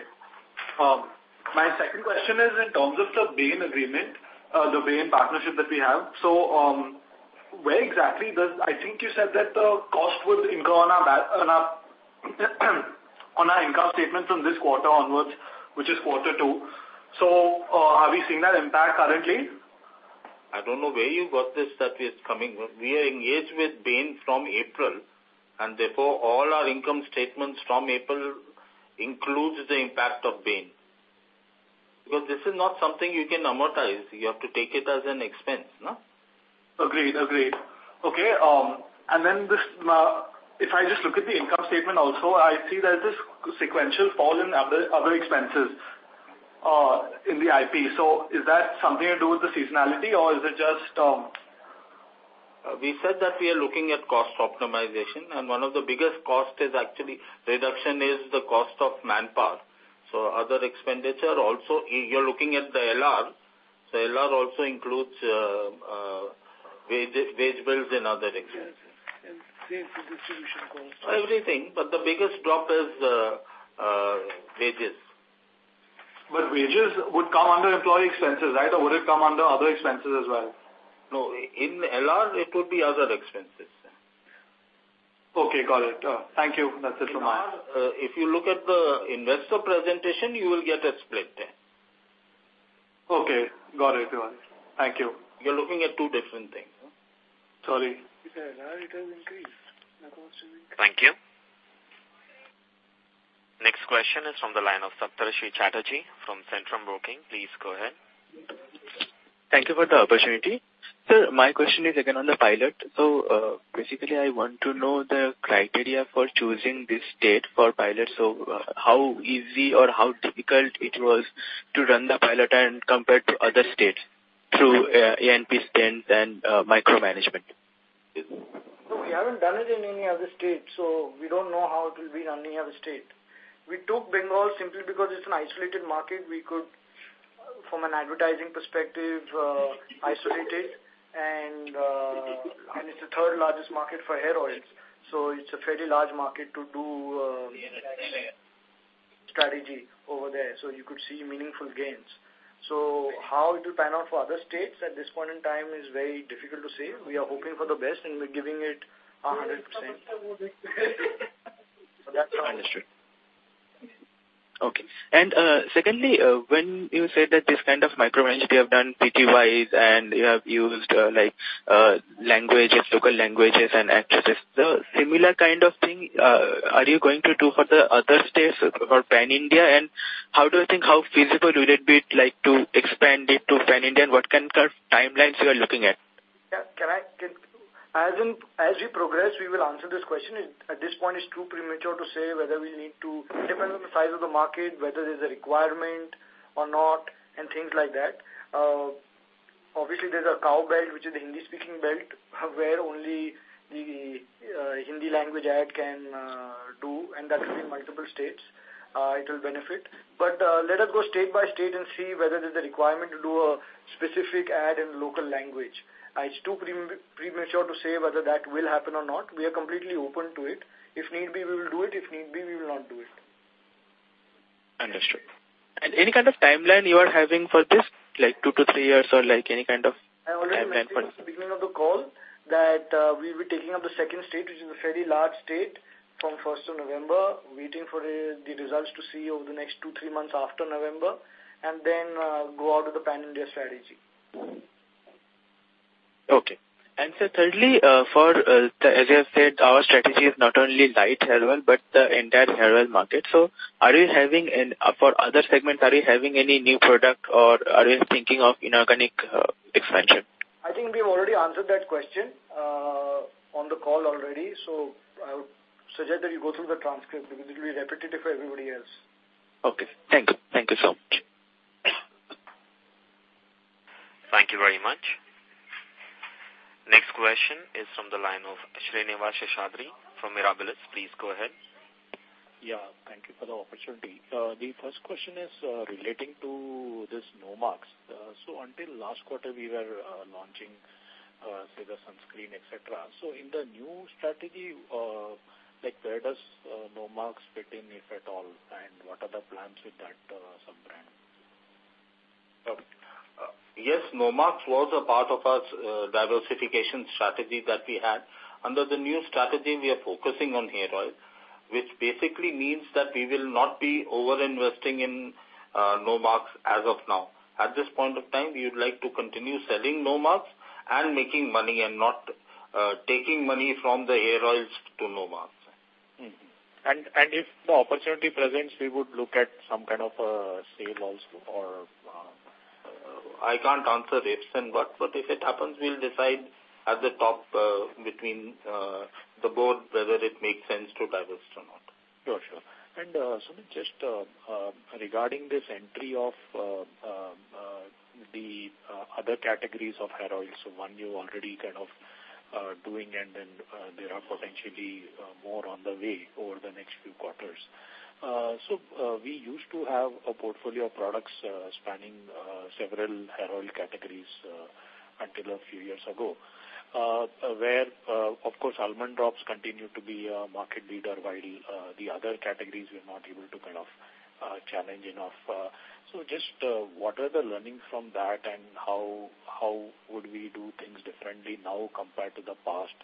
My second question is in terms of the Bain agreement, the Bain partnership that we have. I think you said that the cost would incur on our income statement from this quarter onwards, which is quarter two. Are we seeing that impact currently? I don't know where you got this that it's coming. We are engaged with Bain from April, therefore, all our income statements from April includes the impact of Bain. This is not something you can amortize. You have to take it as an expense. Agreed. Okay. If I just look at the income statement also, I see there's this sequential fall in other expenses in the P&L. Is that something to do with the seasonality, or is it just We said that we are looking at cost optimization, and one of the biggest cost is the cost of manpower. Other expenditure also, you're looking at the LR. LR also includes wage bills and other expenses. Sales and distribution costs. Everything, but the biggest drop is wages. Wages would come under employee expenses, right? Would it come under other expenses as well? No, in LR, it would be other expenses. Okay, got it. Thank you. That's it from my end. If you look at the investor presentation, you will get a split there. Okay. Got it. Thank you. You're looking at two different things. Sorry. Interested. Thank you. Next question is from the line of Saptarshi Chatterjee from Centrum Broking. Please go ahead. Thank you for the opportunity. Sir, my question is again on the pilot. Basically, I want to know the criteria for choosing this state for pilot. How easy or how difficult it was to run the pilot and compare to other states through A&P spends and micromanagement? No, we haven't done it in any other state. We don't know how it will be run in any other state. We took Bengal simply because it's an isolated market. We could, from an advertising perspective, isolate it, and it's the third largest market for hair oils. It's a fairly large market to do a strategy over there, so you could see meaningful gains. How it will pan out for other states at this point in time is very difficult to say. We are hoping for the best, and we're giving it 100%. That's how. Understood. Okay. Secondly, when you say that this kind of micromanagement you have done [PTYEs], and you have used local languages and actresses, the similar kind of thing, are you going to do for the other states for pan-India, and how do you think how feasible would it be to expand it to pan-India, and what kind of timelines you are looking at? As we progress, we will answer this question. At this point, it's too premature to say whether we need to, depending on the size of the market, whether there's a requirement or not, and things like that. Obviously, there's a cow belt, which is a Hindi-speaking belt, where only the Hindi language ad can do, and that will be in multiple states. It will benefit. Let us go state by state and see whether there's a requirement to do a specific ad in local language. It's too premature to say whether that will happen or not. We are completely open to it. If need be, we will do it. If need be, we will not do it. Understood. Any kind of timeline you are having for this, like 2-3 years or any kind of timeline for this? I already mentioned at the beginning of the call that we'll be taking up the second state, which is a very large state, from the first of November, waiting for the results to see over the next two, three months after November, and then go out with the pan-India strategy. Okay. Sir, thirdly, as you have said, our strategy is not only light hair oil but the entire hair oil market. For other segments, are you having any new product or are you thinking of inorganic expansion? I think we've already answered that question on the call already. I would suggest that you go through the transcript because it will be repetitive for everybody else. Okay. Thank you so much. Thank you very much. Next question is from the line of Srinivas Seshadri from Mirabilis. Please go ahead. Yeah. Thank you for the opportunity. The first question is relating to this Nomarks. Until last quarter, we were launching, say, the sunscreen, et cetera. In the new strategy, where does Nomarks fit in, if at all, and what are the plans with that sub-brand? Yes, Nomarks was a part of our diversification strategy that we had. Under the new strategy, we are focusing on hair oil, which basically means that we will not be over-investing in Nomarks as of now. At this point of time, we would like to continue selling Nomarks and making money and not taking money from the hair oils to Nomarks. If the opportunity presents, we would look at some kind of a sale also. I can't answer ifs and what. If it happens, we'll decide at the top between the board whether it makes sense to divest or not. Sure. Sumit, just regarding this entry of the other categories of hair oils. One you're already kind of doing, and then there are potentially more on the way over the next few quarters. We used to have a portfolio of products spanning several hair oil categories until a few years ago, where, of course, Almond Drops continued to be a market leader, while the other categories we are not able to kind of challenge enough. Just what are the learnings from that, and how would we do things differently now compared to the past,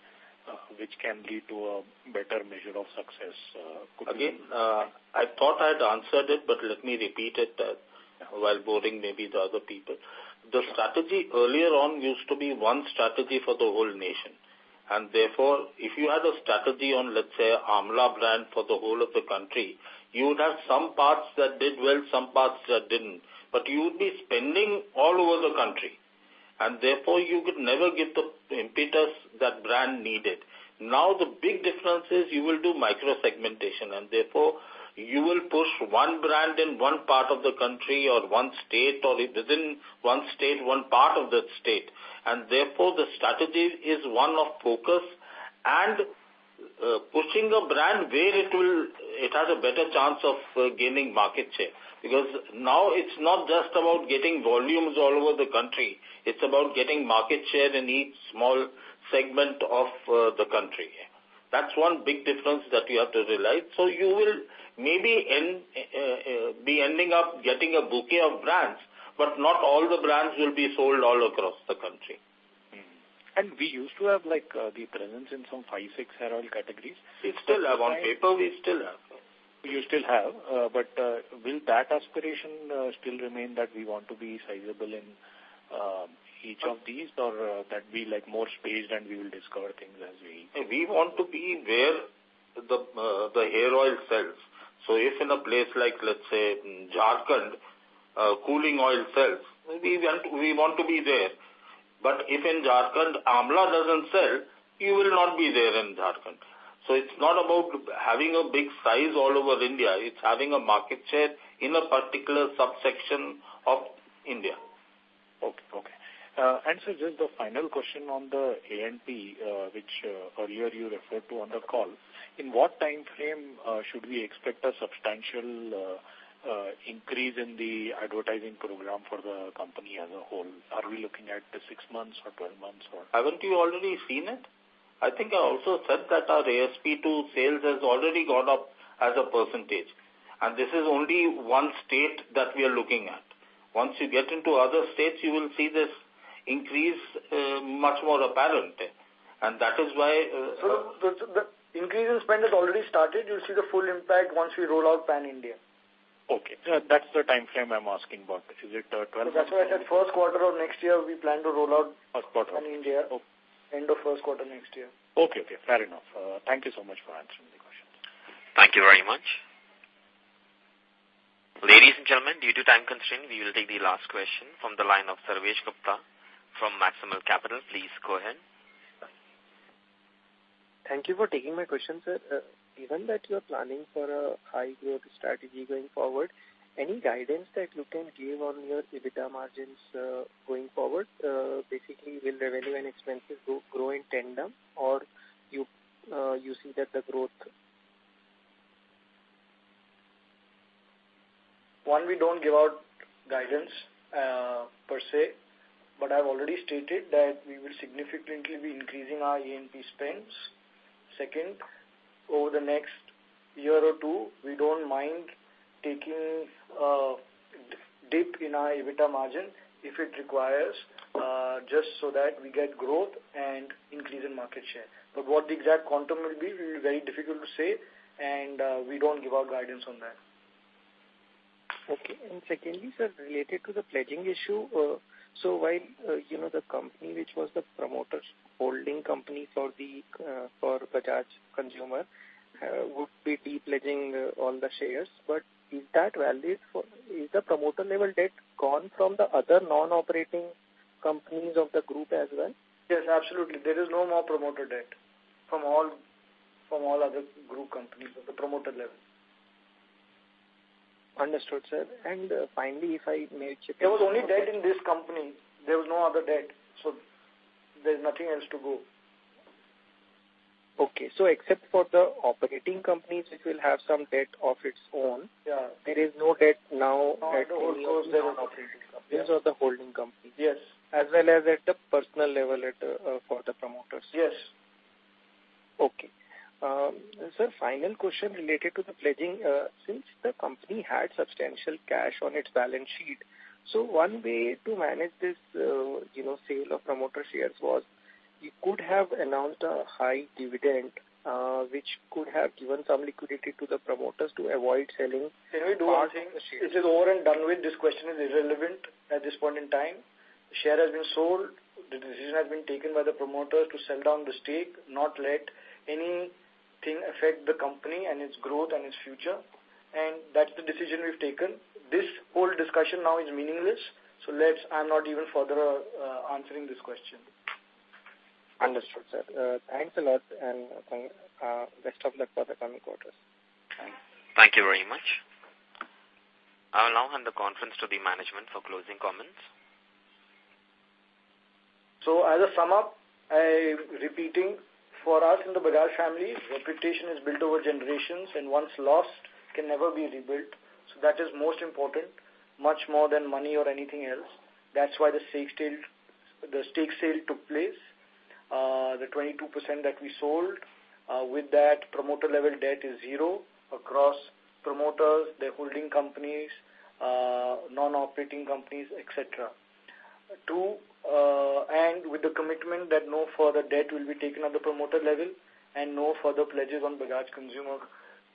which can lead to a better measure of success? I thought I'd answered it, but let me repeat it while boring maybe the other people. The strategy earlier on used to be one strategy for the whole nation. Therefore, if you had a strategy on, let's say, Amla brand for the whole of the country, you would have some parts that did well, some parts that didn't, but you would be spending all over the country, and therefore you could never give the impetus that brand needed. Now, the big difference is you will do micro-segmentation, and therefore you will push one brand in one part of the country or one state, or if within one state, one part of that state. Therefore, the strategy is one of focus and pushing a brand where it has a better chance of gaining market share. Because now it's not just about getting volumes all over the country. It's about getting market share in each small segment of the country. That's one big difference that you have to realize. You will maybe be ending up getting a bouquet of brands, but not all the brands will be sold all across the country. We used to have the presence in some 5, 6 hair oil categories. We still have on paper. We still have. You still have. Will that aspiration still remain that we want to be sizable in each of these or that be more spaced and we will discover things? We want to be where the hair oil sells. If in a place like, let's say, Jharkhand, cooling oil sells, we want to be there. If in Jharkhand, Amla doesn't sell, we will not be there in Jharkhand. It's not about having a big size all over India, it's having a market share in a particular subsection of India. Okay. Sir, just the final question on the A&P which earlier you referred to on the call, in what time frame should we expect a substantial increase in the advertising program for the company as a whole? Are we looking at six months or 12 months or Haven't you already seen it? I think I also said that our A&P to sales has already gone up as a percentage. This is only one state that we are looking at. Once you get into other states, you will see this increase much more apparently. Sir, the increase in spend has already started. You'll see the full impact once we roll out pan India. Okay. That's the time frame I'm asking about. Is it 12 months? That's why I said first quarter of next year, we plan to roll out- First quarter. pan India. Okay. End of first quarter next year. Okay. Fair enough. Thank you so much for answering the questions. Thank you very much. Ladies and gentlemen, due to time constraint, we will take the last question from the line of Sarvesh Gupta from Maximal Capital. Please go ahead. Thank you for taking my question, sir. Given that you are planning for a high growth strategy going forward, any guidance that you can give on your EBITDA margins, going forward? Basically, will revenue and expenses grow in tandem or you see that the growth? One, we don't give out guidance, per se, but I've already stated that we will significantly be increasing our A&P spends. Second, over the next year or two, we don't mind taking a dip in our EBITDA margin if it requires, just so that we get growth and increase in market share. What the exact quantum will be will be very difficult to say, and we don't give out guidance on that. Okay. Secondly, sir, related to the pledging issue. While the company which was the promoter's holding company for Bajaj Consumer would be de-pledging all the shares. Is the promoter-level debt gone from the other non-operating companies of the group as well? Yes, absolutely. There is no more promoter debt from all other group companies at the promoter level. Understood, sir. Finally, if I may check. There was only debt in this company. There was no other debt, so there's nothing else to go. Okay. except for the operating companies which will have some debt of its own- Yeah There is no debt now. No, there are no operating companies. These are the holding companies. Yes. As well as at the personal level for the promoters. Yes. Sir, final question related to the pledging. Since the company had substantial cash on its balance sheet, one way to manage this sale of promoter shares was you could have announced a high dividend, which could have given some liquidity to the promoters to avoid selling. Can we do one thing? It is over and done with. This question is irrelevant at this point in time. Share has been sold. The decision has been taken by the promoters to sell down the stake, not let anything affect the company and its growth and its future. That's the decision we've taken. This whole discussion now is meaningless. I'm not even further answering this question. Understood, sir. Thanks a lot and best of luck for the coming quarters. Thanks. Thank you very much. I will now hand the conference to the management for closing comments. As a sum up, repeating. For us in the Bajaj family, reputation is built over generations and once lost, can never be rebuilt. That is most important, much more than money or anything else. That's why the stake sale took place. The 22% that we sold, with that promoter level debt is zero across promoters, their holding companies, non-operating companies, et cetera. 2, with the commitment that no further debt will be taken at the promoter level and no further pledges on Bajaj Consumer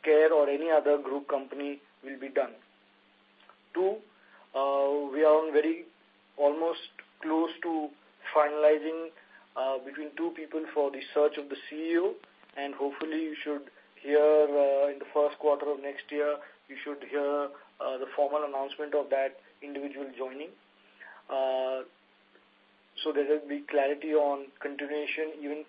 Care or any other group company will be done. 2, we are very almost close to finalizing between two people for the search of the CEO, and hopefully you should hear in the first quarter of next year, you should hear the formal announcement of that individual joining. There will be clarity on continuation even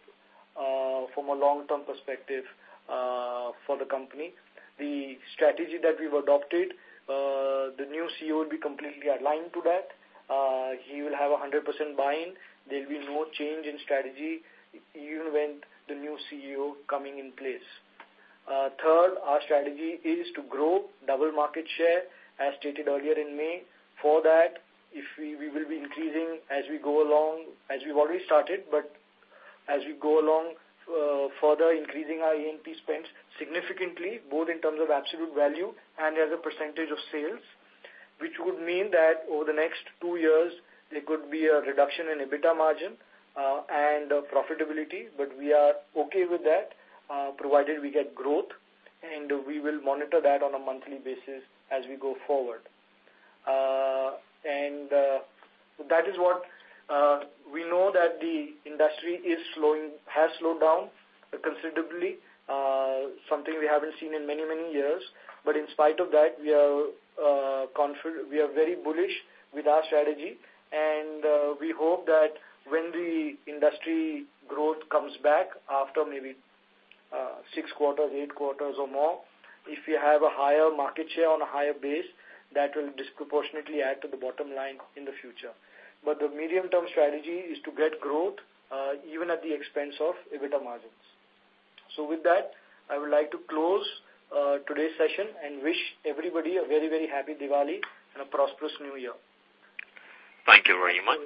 from a long-term perspective for the company. The strategy that we've adopted, the new CEO will be completely aligned to that. He will have 100% buy-in. There'll be no change in strategy even when the new CEO coming in place. Third, our strategy is to grow double market share as stated earlier in May. We will be increasing as we go along, as we've already started, but as we go along, further increasing our A&P spends significantly, both in terms of absolute value and as a % of sales. Over the next two years, there could be a reduction in EBITDA margin, and profitability, but we are okay with that, provided we get growth, and we will monitor that on a monthly basis as we go forward. That is what we know that the industry has slowed down considerably, something we haven't seen in many, many years. In spite of that, we are very bullish with our strategy, and we hope that when the industry growth comes back after maybe six quarters, eight quarters or more, if we have a higher market share on a higher base, that will disproportionately add to the bottom line in the future. The medium-term strategy is to get growth, even at the expense of EBITDA margins. With that, I would like to close today's session and wish everybody a very, very happy Diwali and a prosperous new year. Thank you very much.